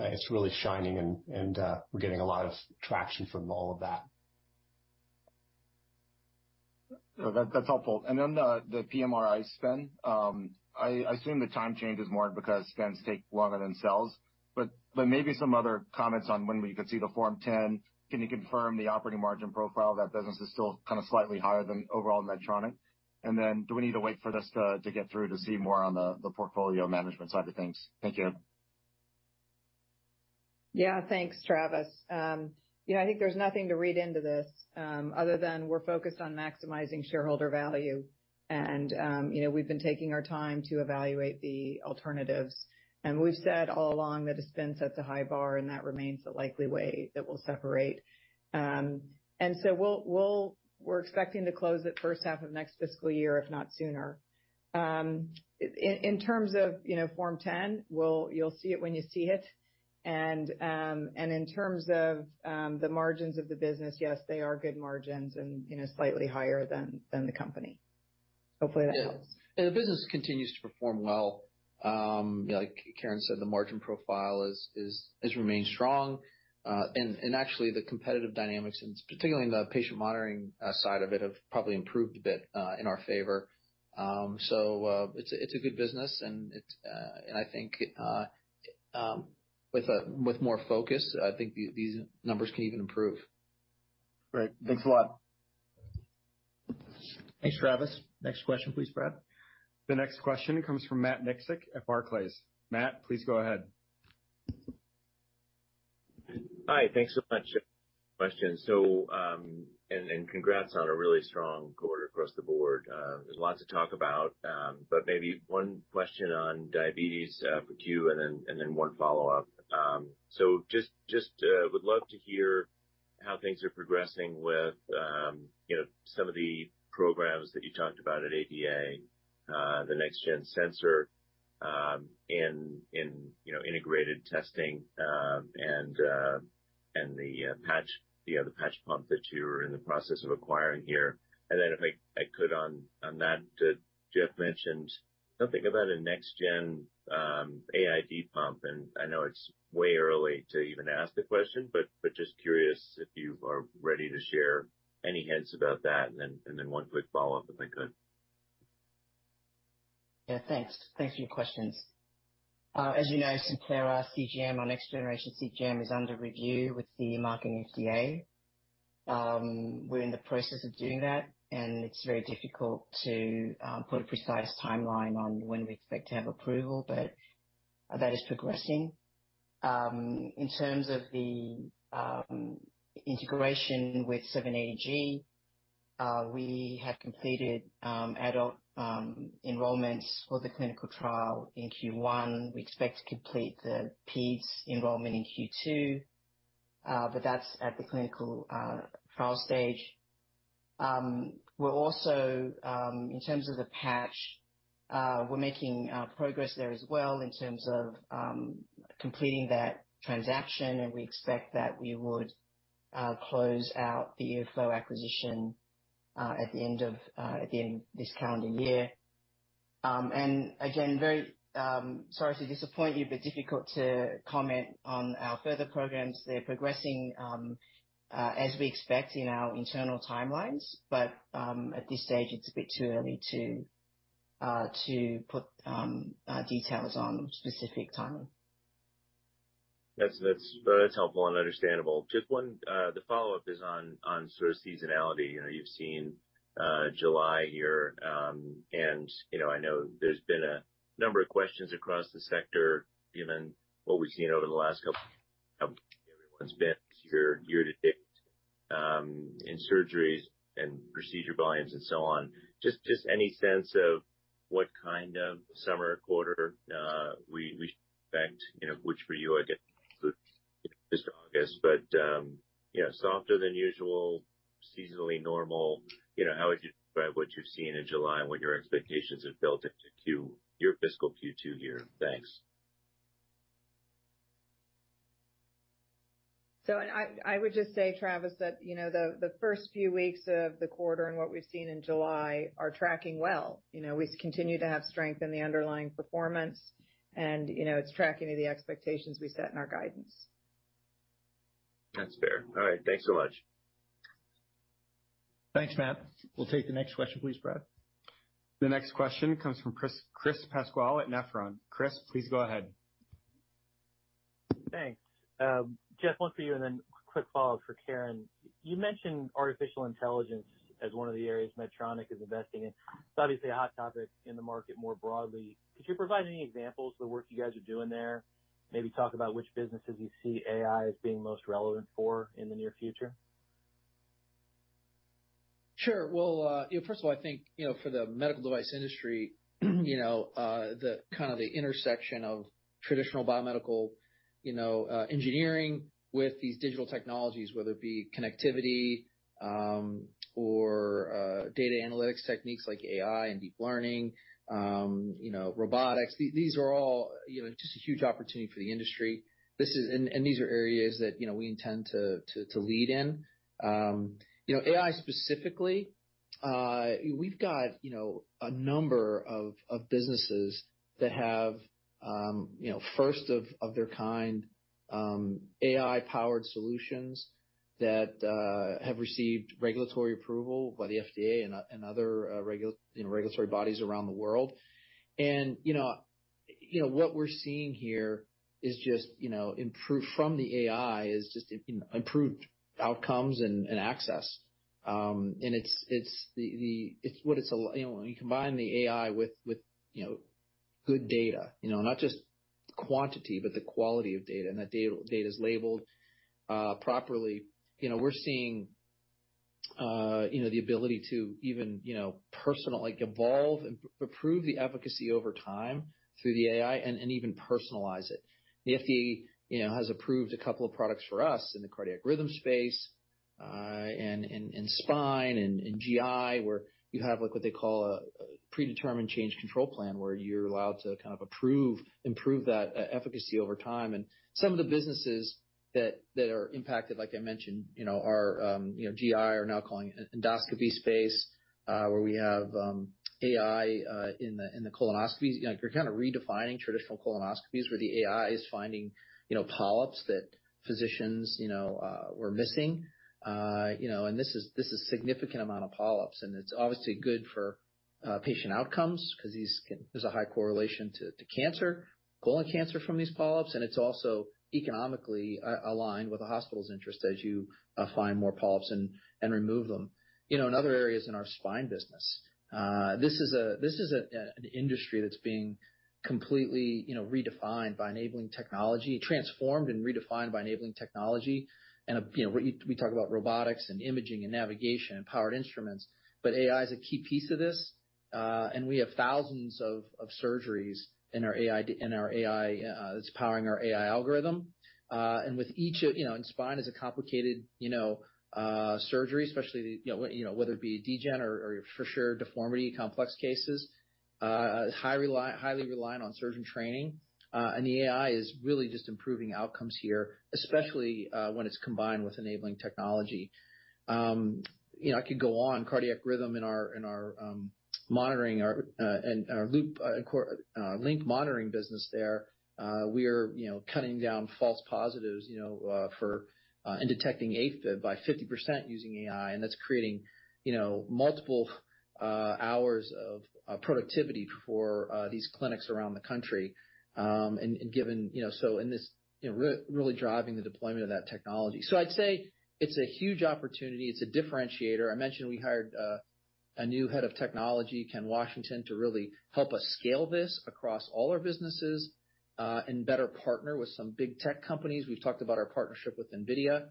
It's really shining, and, and, we're getting a lot of traction from all of that. That, that's helpful. Then the PMRI spend, I assume the time change is more because spends take longer than sales, but maybe some other comments on when we could see the Form 10. Can you confirm the operating margin profile of that business is still kind of slightly higher than overall Medtronic? Then do we need to wait for this to get through to see more on the portfolio management side of things? Thank you. Yeah, thanks, Travis. you know, I think there's nothing to read into this, other than we're focused on maximizing shareholder value. You know, we've been taking our time to evaluate the alternatives. We've said all along that a spin sets a high bar, and that remains the likely way that we'll separate. So we're expecting to close it first half of next fiscal year, if not sooner. In terms of, you know, Form 10, we'll, you'll see it when you see it. In terms of the margins of the business, yes, they are good margins and, you know, slightly higher than the company. Hopefully, that helps. Yeah. The business continues to perform well. Like Karen said, the margin profile has remained strong. Actually, the competitive dynamics, and particularly in the patient monitoring side of it, have probably improved a bit in our favor. It's a good business, and it, and I think with more focus, I think these numbers can even improve. Great. Thanks a lot. Thanks, Travis. Next question, please, Brad. The next question comes from Matt Miksic at Barclays. Matt, please go ahead. Hi, thanks so much. Question. Congrats on a really strong quarter across the board. There's lots to talk about, but maybe one question on diabetes, for Que, and then, and then one follow-up. Just, just, would love to hear how things are progressing with, you know, some of the programs that you talked about at ADA, the next gen sensor, in, you know, integrated testing, and the, patch, the other patch pump that you were in the process of acquiring here. If I, I could on, on that, Geoff mentioned something about a next gen, AID pump, and I know it's way early to even ask the question, but, but just curious if you are ready to share any hints about that. Then, and then one quick follow-up, if I could. Thanks. Thank you for your questions. As you know, Simplera CGM, our next generation CGM, is under review with the FDA. We're in the process of doing that, and it's very difficult to put a precise timeline on when we expect to have approval, but that is progressing. In terms of the integration with 780G, we have completed adult enrollments for the clinical trial in Q1. We expect to complete the pedes enrollment in Q2, but that's at the clinical trial stage. We're also, in terms of the patch, we're making progress there as well in terms of completing that transaction, and we expect that we would close out the EOFlow acquisition at the end of again, this calendar year. Again, very sorry to disappoint you, but difficult to comment on our further programs. They're progressing as we expect in our internal timelines, but at this stage, it's a bit too early to put details on specific timing. That's, that's, that's helpful and understandable. Just one, the follow-up is on, on sort of seasonality. You know, you've seen July here, and, you know, I know there's been a number of questions across the sector, given what we've seen over the last couple, everyone's been year, year to date, in surgeries and procedure volumes and so on. Just, just any sense of what kind of summer quarter we, we expect, you know, which for you, I guess, is August? You know, softer than usual, seasonally normal? You know, how would you describe what you've seen in July and what your expectations have built into your fiscal Q2 year? Thanks. I, I would just say, Travis, that, you know, the, the first few weeks of the quarter and what we've seen in July are tracking well. You know, we continue to have strength in the underlying performance and, you know, it's tracking to the expectations we set in our guidance. That's fair. All right. Thanks so much. Thanks, Matt. We'll take the next question, please, Brad. The next question comes from Chris, Chris Pasquale at Nephron. Chris, please go ahead. Thanks. Geoff, one for you, and then a quick follow-up for Karen. You mentioned artificial intelligence as one of the areas Medtronic is investing in. It's obviously a hot topic in the market more broadly. Could you provide any examples of the work you guys are doing there? Maybe talk about which businesses you see AI as being most relevant for in the near future. Sure. Well, you know, first of all, I think, you know, for the medical device industry, you know, the kind of the intersection of traditional biomedical, you know, engineering with these digital technologies, whether it be connectivity, or data analytics techniques like AI and deep learning, you know, robotics, these are all, you know, just a huge opportunity for the industry. This is... These are areas that, you know, we intend to, to, to lead in. You know, AI, we've got, you know, a number of, of businesses that have, you know, first of, of their kind, AI-powered solutions that have received regulatory approval by the FDA and, and other, regulatory bodies around the world. You know, you know, what we're seeing here is just, you know, improved outcomes and access. And it's, it's what it's a, you know, when you combine the AI with, with, you know, good data, you know, not just quantity, but the quality of data, and that data is labeled properly. You know, we're seeing, you know, the ability to even, you know, like, evolve, and improve the efficacy over time through the AI and even personalize it. The FDA, you know, has approved a couple of products for us in the cardiac rhythm space, and in spine and in GI, where you have, like, what they call a, a predetermined change control plan, where you're allowed to kind of approve, improve that efficacy over time. Some of the businesses that, that are impacted, like I mentioned, you know, are, you know, GI are now calling endoscopy space, where we have AI in the colonoscopies. Like, you're kind of redefining traditional colonoscopies, where the AI is finding, you know, polyps that physicians, you know, were missing. You know, this is, this is significant amount of polyps, and it's obviously good for patient outcomes because these can... There's a high correlation to, to cancer, colon cancer from these polyps, and it's also economically aligned with the hospital's interest as you find more polyps and remove them. You know, in other areas in our spine business, this is a, this is a, an industry that's being completely, you know, redefined by enabling technology, transformed and redefined by enabling technology. You know, we, we talk about robotics and imaging and navigation and powered instruments, but AI is a key piece of this. And we have thousands of, of surgeries in our AI, in our AI, that's powering our AI algorithm. With each of... You know, and spine is a complicated, you know, surgery, especially, you know, you know, whether it be a degen or, or for sure, deformity, complex cases, highly reliant on surgeon training. And the AI is really just improving outcomes here, especially, when it's combined with enabling technology. You know, I could go on. Cardiac Rhythm in our, in our monitoring, and our loop, LINQ monitoring business there, we are, you know, cutting down false positives, you know, for in detecting AFib by 50% using AI, and that's creating, you know, multiple hours of productivity for these clinics around the country. Given, you know, really driving the deployment of that technology. I'd say it's a huge opportunity. It's a differentiator. I mentioned we hired a new head of technology, Ken Washington, to really help us scale this across all our businesses and better partner with some big tech companies. We've talked about our partnership with NVIDIA.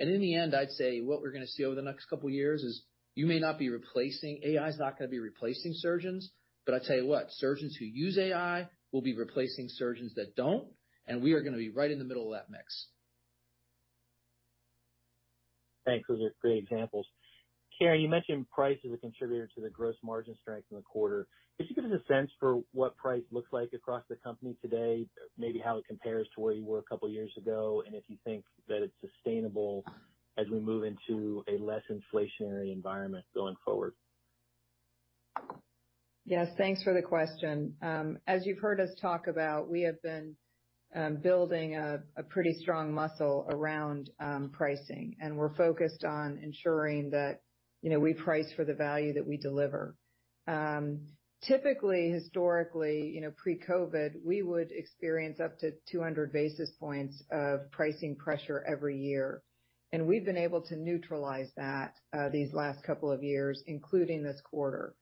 In the end, I'd say what we're going to see over the next couple of years is you may not be replacing... AI is not going to be replacing surgeons, but I tell you what, surgeons who use AI will be replacing surgeons that don't, and we are going to be right in the middle of that mix. Thanks. Those are great examples. Karen, you mentioned price as a contributor to the gross margin strength in the quarter. Could you give us a sense for what price looks like across the company today, maybe how it compares to where you were a couple of years ago, and if you think that it's sustainable as we move into a less inflationary environment going forward? Yes, thanks for the question. As you've heard us talk about, we have been, building a, a pretty strong muscle around, pricing, and we're focused on ensuring that, you know, we price for the value that we deliver. Typically, historically, you know, pre-COVID, we would experience up to 200 basis points of pricing pressure every year, and we've been able to neutralize that these last couple of years, including this quarter.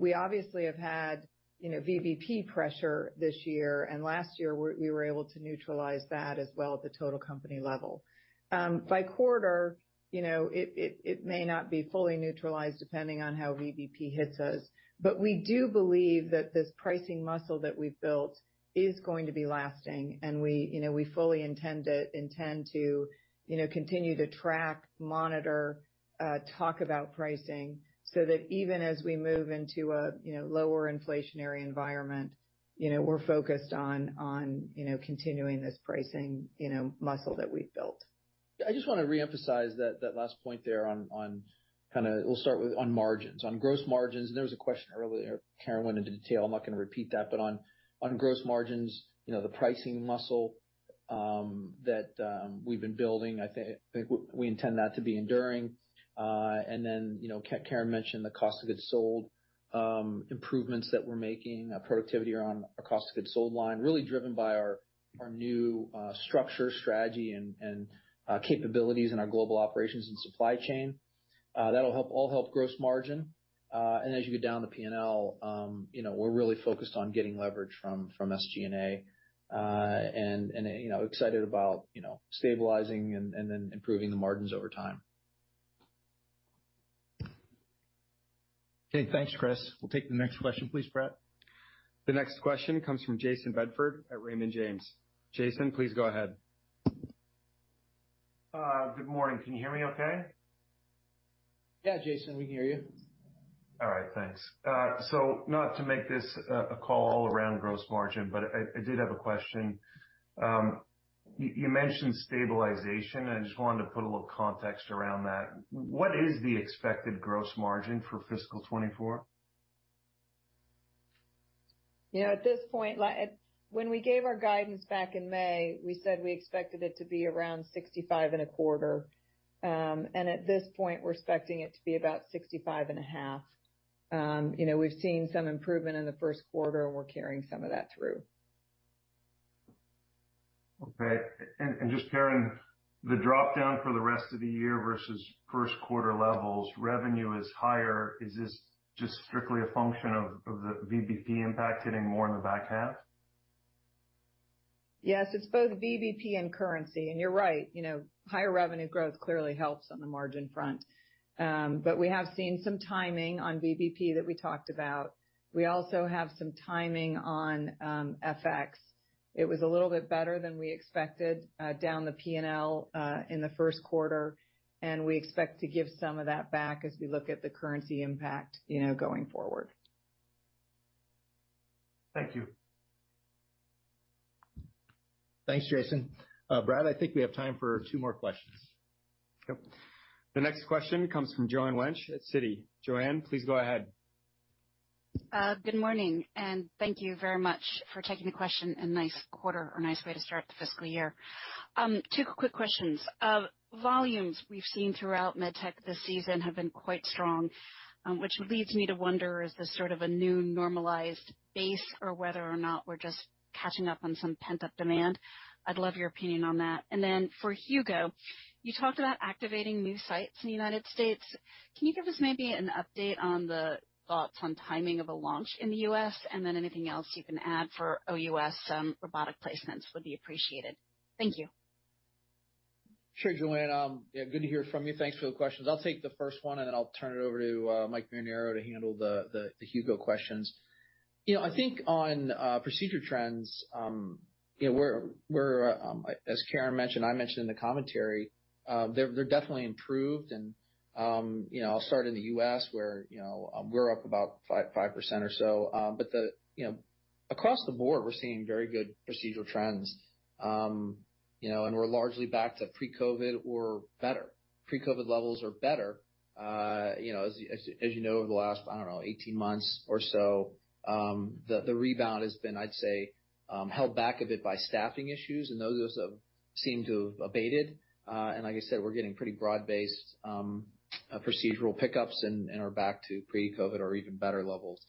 We obviously have had, you know, VBP pressure this year, and last year, we, we were able to neutralize that as well at the total company level. By quarter, you know, it, it, it may not be fully neutralized depending on how VBP hits us, but we do believe that this pricing muscle that we've built is going to be lasting. we, you know, we fully intend it-- intend to, you know, continue to track, monitor, talk about pricing so that even as we move into a, you know, lower inflationary environment, you know, we're focused on, on, you know, continuing this pricing, you know, muscle that we've built. I just want to reemphasize that, that last point there on, on kind of. We'll start with on margins. On gross margins, there was a question earlier, Karen went into detail. I'm not going to repeat that, but on, on gross margins, you know, the pricing muscle that we've been building, I think, I think we intend that to be enduring. Then, you know, Karen mentioned the cost of goods sold improvements that we're making, productivity around our cost of goods sold line, really driven by our, our new structure, strategy, and capabilities in our global operations and supply chain. That'll help all help gross margin. As you go down the P&L, you know, we're really focused on getting leverage from, from SG&A, you know, excited about, you know, stabilizing and then improving the margins over time. Okay, thanks, Chris. We'll take the next question, please, Brad. The next question comes from Jayson Bedford at Raymond James. Jayson, please go ahead. Good morning. Can you hear me okay? Yeah, Jayson, we can hear you. All right, thanks. Not to make this, a call all around gross margin, but I, I did have a question. You, you mentioned stabilization, and I just wanted to put a little context around that. What is the expected gross margin for fiscal 24? You know, at this point, like, when we gave our guidance back in May, we said we expected it to be around 65.25. At this point, we're expecting it to be about 65.5. You know, we've seen some improvement in the first quarter, and we're carrying some of that through. Okay. And just, Karen, the dropdown for the rest of the year versus first quarter levels, revenue is higher. Is this just strictly a function of, of the VBP impact hitting more in the back half? Yes, it's both VBP and currency. You're right, you know, higher revenue growth clearly helps on the margin front. But we have seen some timing on VBP that we talked about. We also have some timing on FX. It was a little bit better than we expected, down the PNL in the first quarter, and we expect to give some of that back as we look at the currency impact, you know, going forward. Thank you. Thanks, Jason. Brad, I think we have time for two more questions. The next question comes from Joanne Wuensch at Citi. Joanne, please go ahead. Good morning, thank you very much for taking the question, and nice quarter or nice way to start the fiscal year. Two quick questions. Volumes we've seen throughout MedTech this season have been quite strong, which leads me to wonder, is this sort of a new normalized base or whether or not we're just catching up on some pent-up demand? I'd love your opinion on that. Then for Hugo, you talked about activating new sites in the United States. Can you give us maybe an update on the thoughts on timing of a launch in the U.S., and then anything else you can add for OUS robotic placements would be appreciated. Thank you. Sure, Joanne. Yeah, good to hear from you. Thanks for the questions. I'll take the first one, and then I'll turn it over to Mike Marinaro to handle the, the, the Hugo questions. You know, I think on procedure trends, you know, we're, we're, as Karen mentioned, I mentioned in the commentary, they're, they're definitely improved, and, you know, I'll start in the U.S., where, you know, we're up about 5, 5% or so. The, you know, across the board, we're seeing very good procedural trends. You know, and we're largely back to pre-COVID or better. Pre-COVID levels or better, you know, as, as you know, over the last, I don't know, 18 months or so, the, the rebound has been, I'd say, held back a bit by staffing issues, and those have seemed to have abated. And like I said, we're getting pretty broad-based procedural pickups and, and are back to Pre-COVID or even better levels.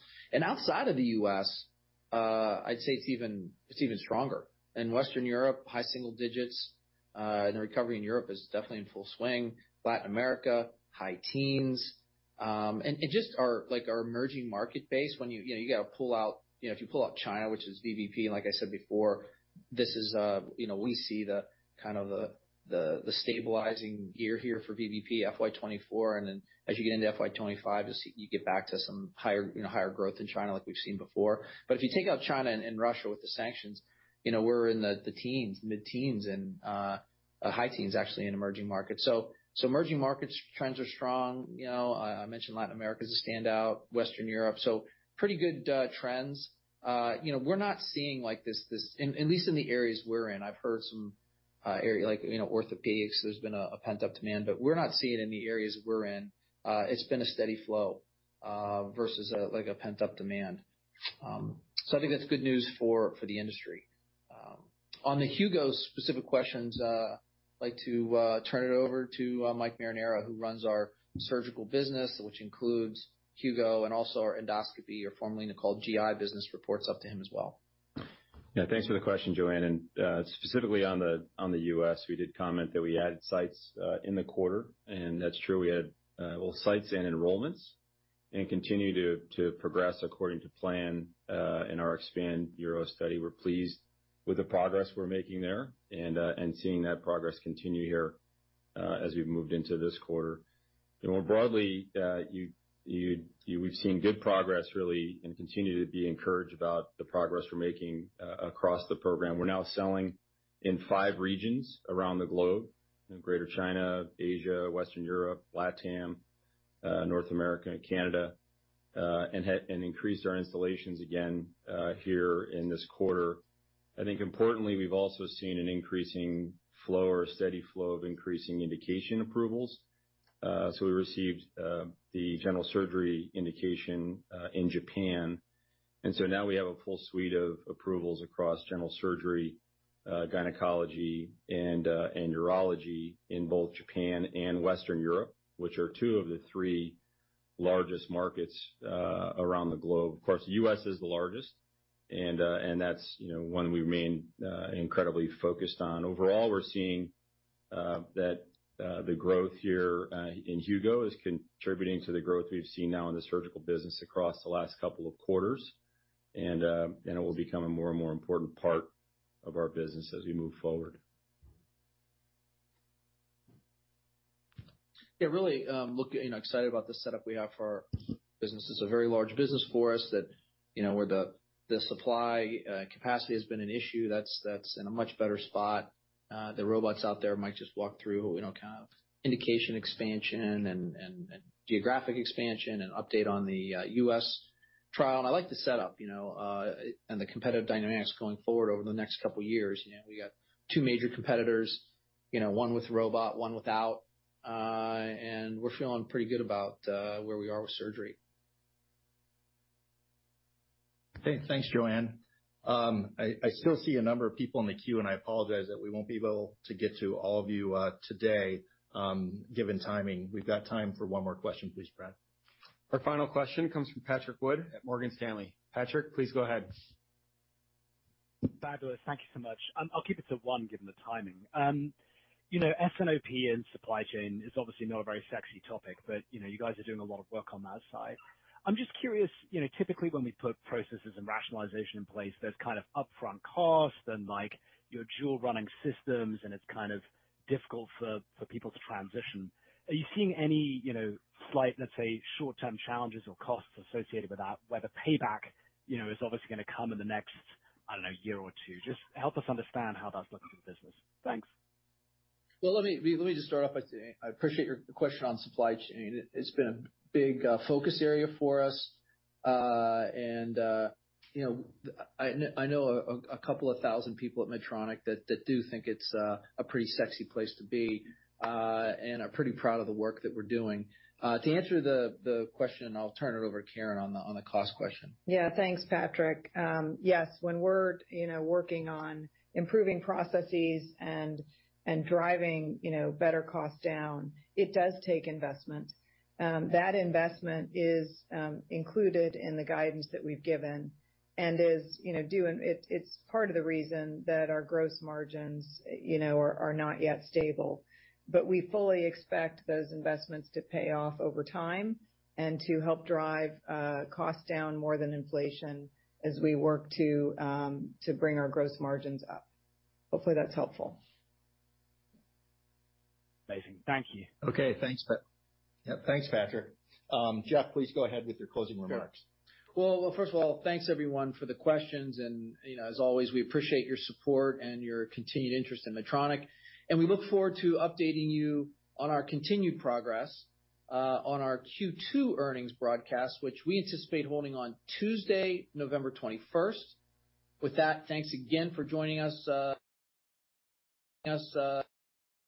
Outside of the U.S., I'd say it's even, it's even stronger. In Western Europe, high single digits, and the recovery in Europe is definitely in full swing. Latin America, high teens, and just our, like, our emerging market base, when you, you know, you got to pull out, you know, if you pull out China, which is VBP, and like I said before, this is, you know, we see the kind of the, the, the stabilizing year here for VBP, FY 2024, and then as you get into FY 2025, you get back to some higher, you know, higher growth in China like we've seen before. If you take out China and Russia with the sanctions, you know, we're in the, the teens, mid-teens and high teens, actually, in emerging markets. Emerging markets trends are strong. You know, I mentioned Latin America as a standout, Western Europe, pretty good trends. You know, we're not seeing like this. At least in the areas we're in, I've heard some area like, you know, orthopedics, there's been a, a pent-up demand, but we're not seeing it in the areas we're in. It's been a steady flow, versus a like a pent-up demand. I think that's good news for, for the industry. On the Hugo specific questions, I'd like to turn it over to Mike Marinaro, who runs our surgical business, which includes Hugo and also our endoscopy, or formerly called GI business, reports up to him as well. Yeah, thanks for the question, Joanne. Specifically on the U.S., we did comment that we added sites in the quarter, and that's true. We had, well, sites and enrollments and continue to progress according to plan in our Expand Euro study. We're pleased with the progress we're making there and seeing that progress continue here as we've moved into this quarter. More broadly, we've seen good progress, really, and continue to be encouraged about the progress we're making across the program. We're now selling in five regions around the globe, in Greater China, Asia, Western Europe, LATAM, North America, and Canada, and increased our installations again here in this quarter. I think importantly, we've also seen an increasing flow or steady flow of increasing indication approvals. We received the general surgery indication in Japan, and so now we have a full suite of approvals across general surgery, gynecology and urology in both Japan and Western Europe, which are two of the three largest markets around the globe. Of course, the U.S. is the largest, and that's, you know, one we remain incredibly focused on. Overall, we're seeing that the growth here in Hugo is contributing to the growth we've seen now in the surgical business across the last couple of quarters. It will become a more and more important part of our business as we move forward. Yeah, really, look, you know, excited about the setup we have for our business. It's a very large business for us that, you know, where the, the supply capacity has been an issue, that's, that's in a much better spot. The robots out there, Mike just walked through, you know, kind of indication expansion and, and, and geographic expansion and update on the U.S. trial. I like the setup, you know, and the competitive dynamics going forward over the next couple of years. You know, we got two major competitors, you know, one with robot, one without, and we're feeling pretty good about where we are with surgery. Okay, thanks, Joanne. I, I still see a number of people in the queue, and I apologize that we won't be able to get to all of you today, given timing. We've got time for one more question. Please, Brad. Our final question comes from Patrick Wood at Morgan Stanley. Patrick, please go ahead. Fabulous. Thank you so much. I'll keep it to one, given the timing. You know, S&OP and supply chain is obviously not a very sexy topic, but, you know, you guys are doing a lot of work on that side. I'm just curious, you know, typically when we put processes and rationalization in place, there's kind of upfront costs and, like, your dual running systems, and it's kind of difficult for, for people to transition. Are you seeing any, you know, slight, let's say, short-term challenges or costs associated with that? Where the payback, you know, is obviously going to come in the next, I don't know, year or two. Just help us understand how that's looking for the business. Thanks. Well, let me, let me just start off by saying I appreciate your question on supply chain. It's been a big focus area for us. You know, I, I know 2,000 people at Medtronic that, that do think it's a pretty sexy place to be and are pretty proud of the work that we're doing. To answer the question, I'll turn it over to Karen on the cost question. Yeah. Thanks, Patrick. Yes, when we're, you know, working on improving processes and, and driving, you know, better costs down, it does take investment. That investment is included in the guidance that we've given and is, you know, it's part of the reason that our gross margins, you know, are, are not yet stable. We fully expect those investments to pay off over time and to help drive costs down more than inflation as we work to bring our gross margins up. Hopefully, that's helpful. Amazing. Thank you. Okay, thanks, Pat. Yeah, thanks, Patrick. Geoff, please go ahead with your closing remarks. Well, well, first of all, thanks, everyone, for the questions. You know, as always, we appreciate your support and your continued interest in Medtronic, and we look forward to updating you on our continued progress on our Q2 earnings broadcast, which we anticipate holding on Tuesday, November 21st. With that, thanks again for joining us.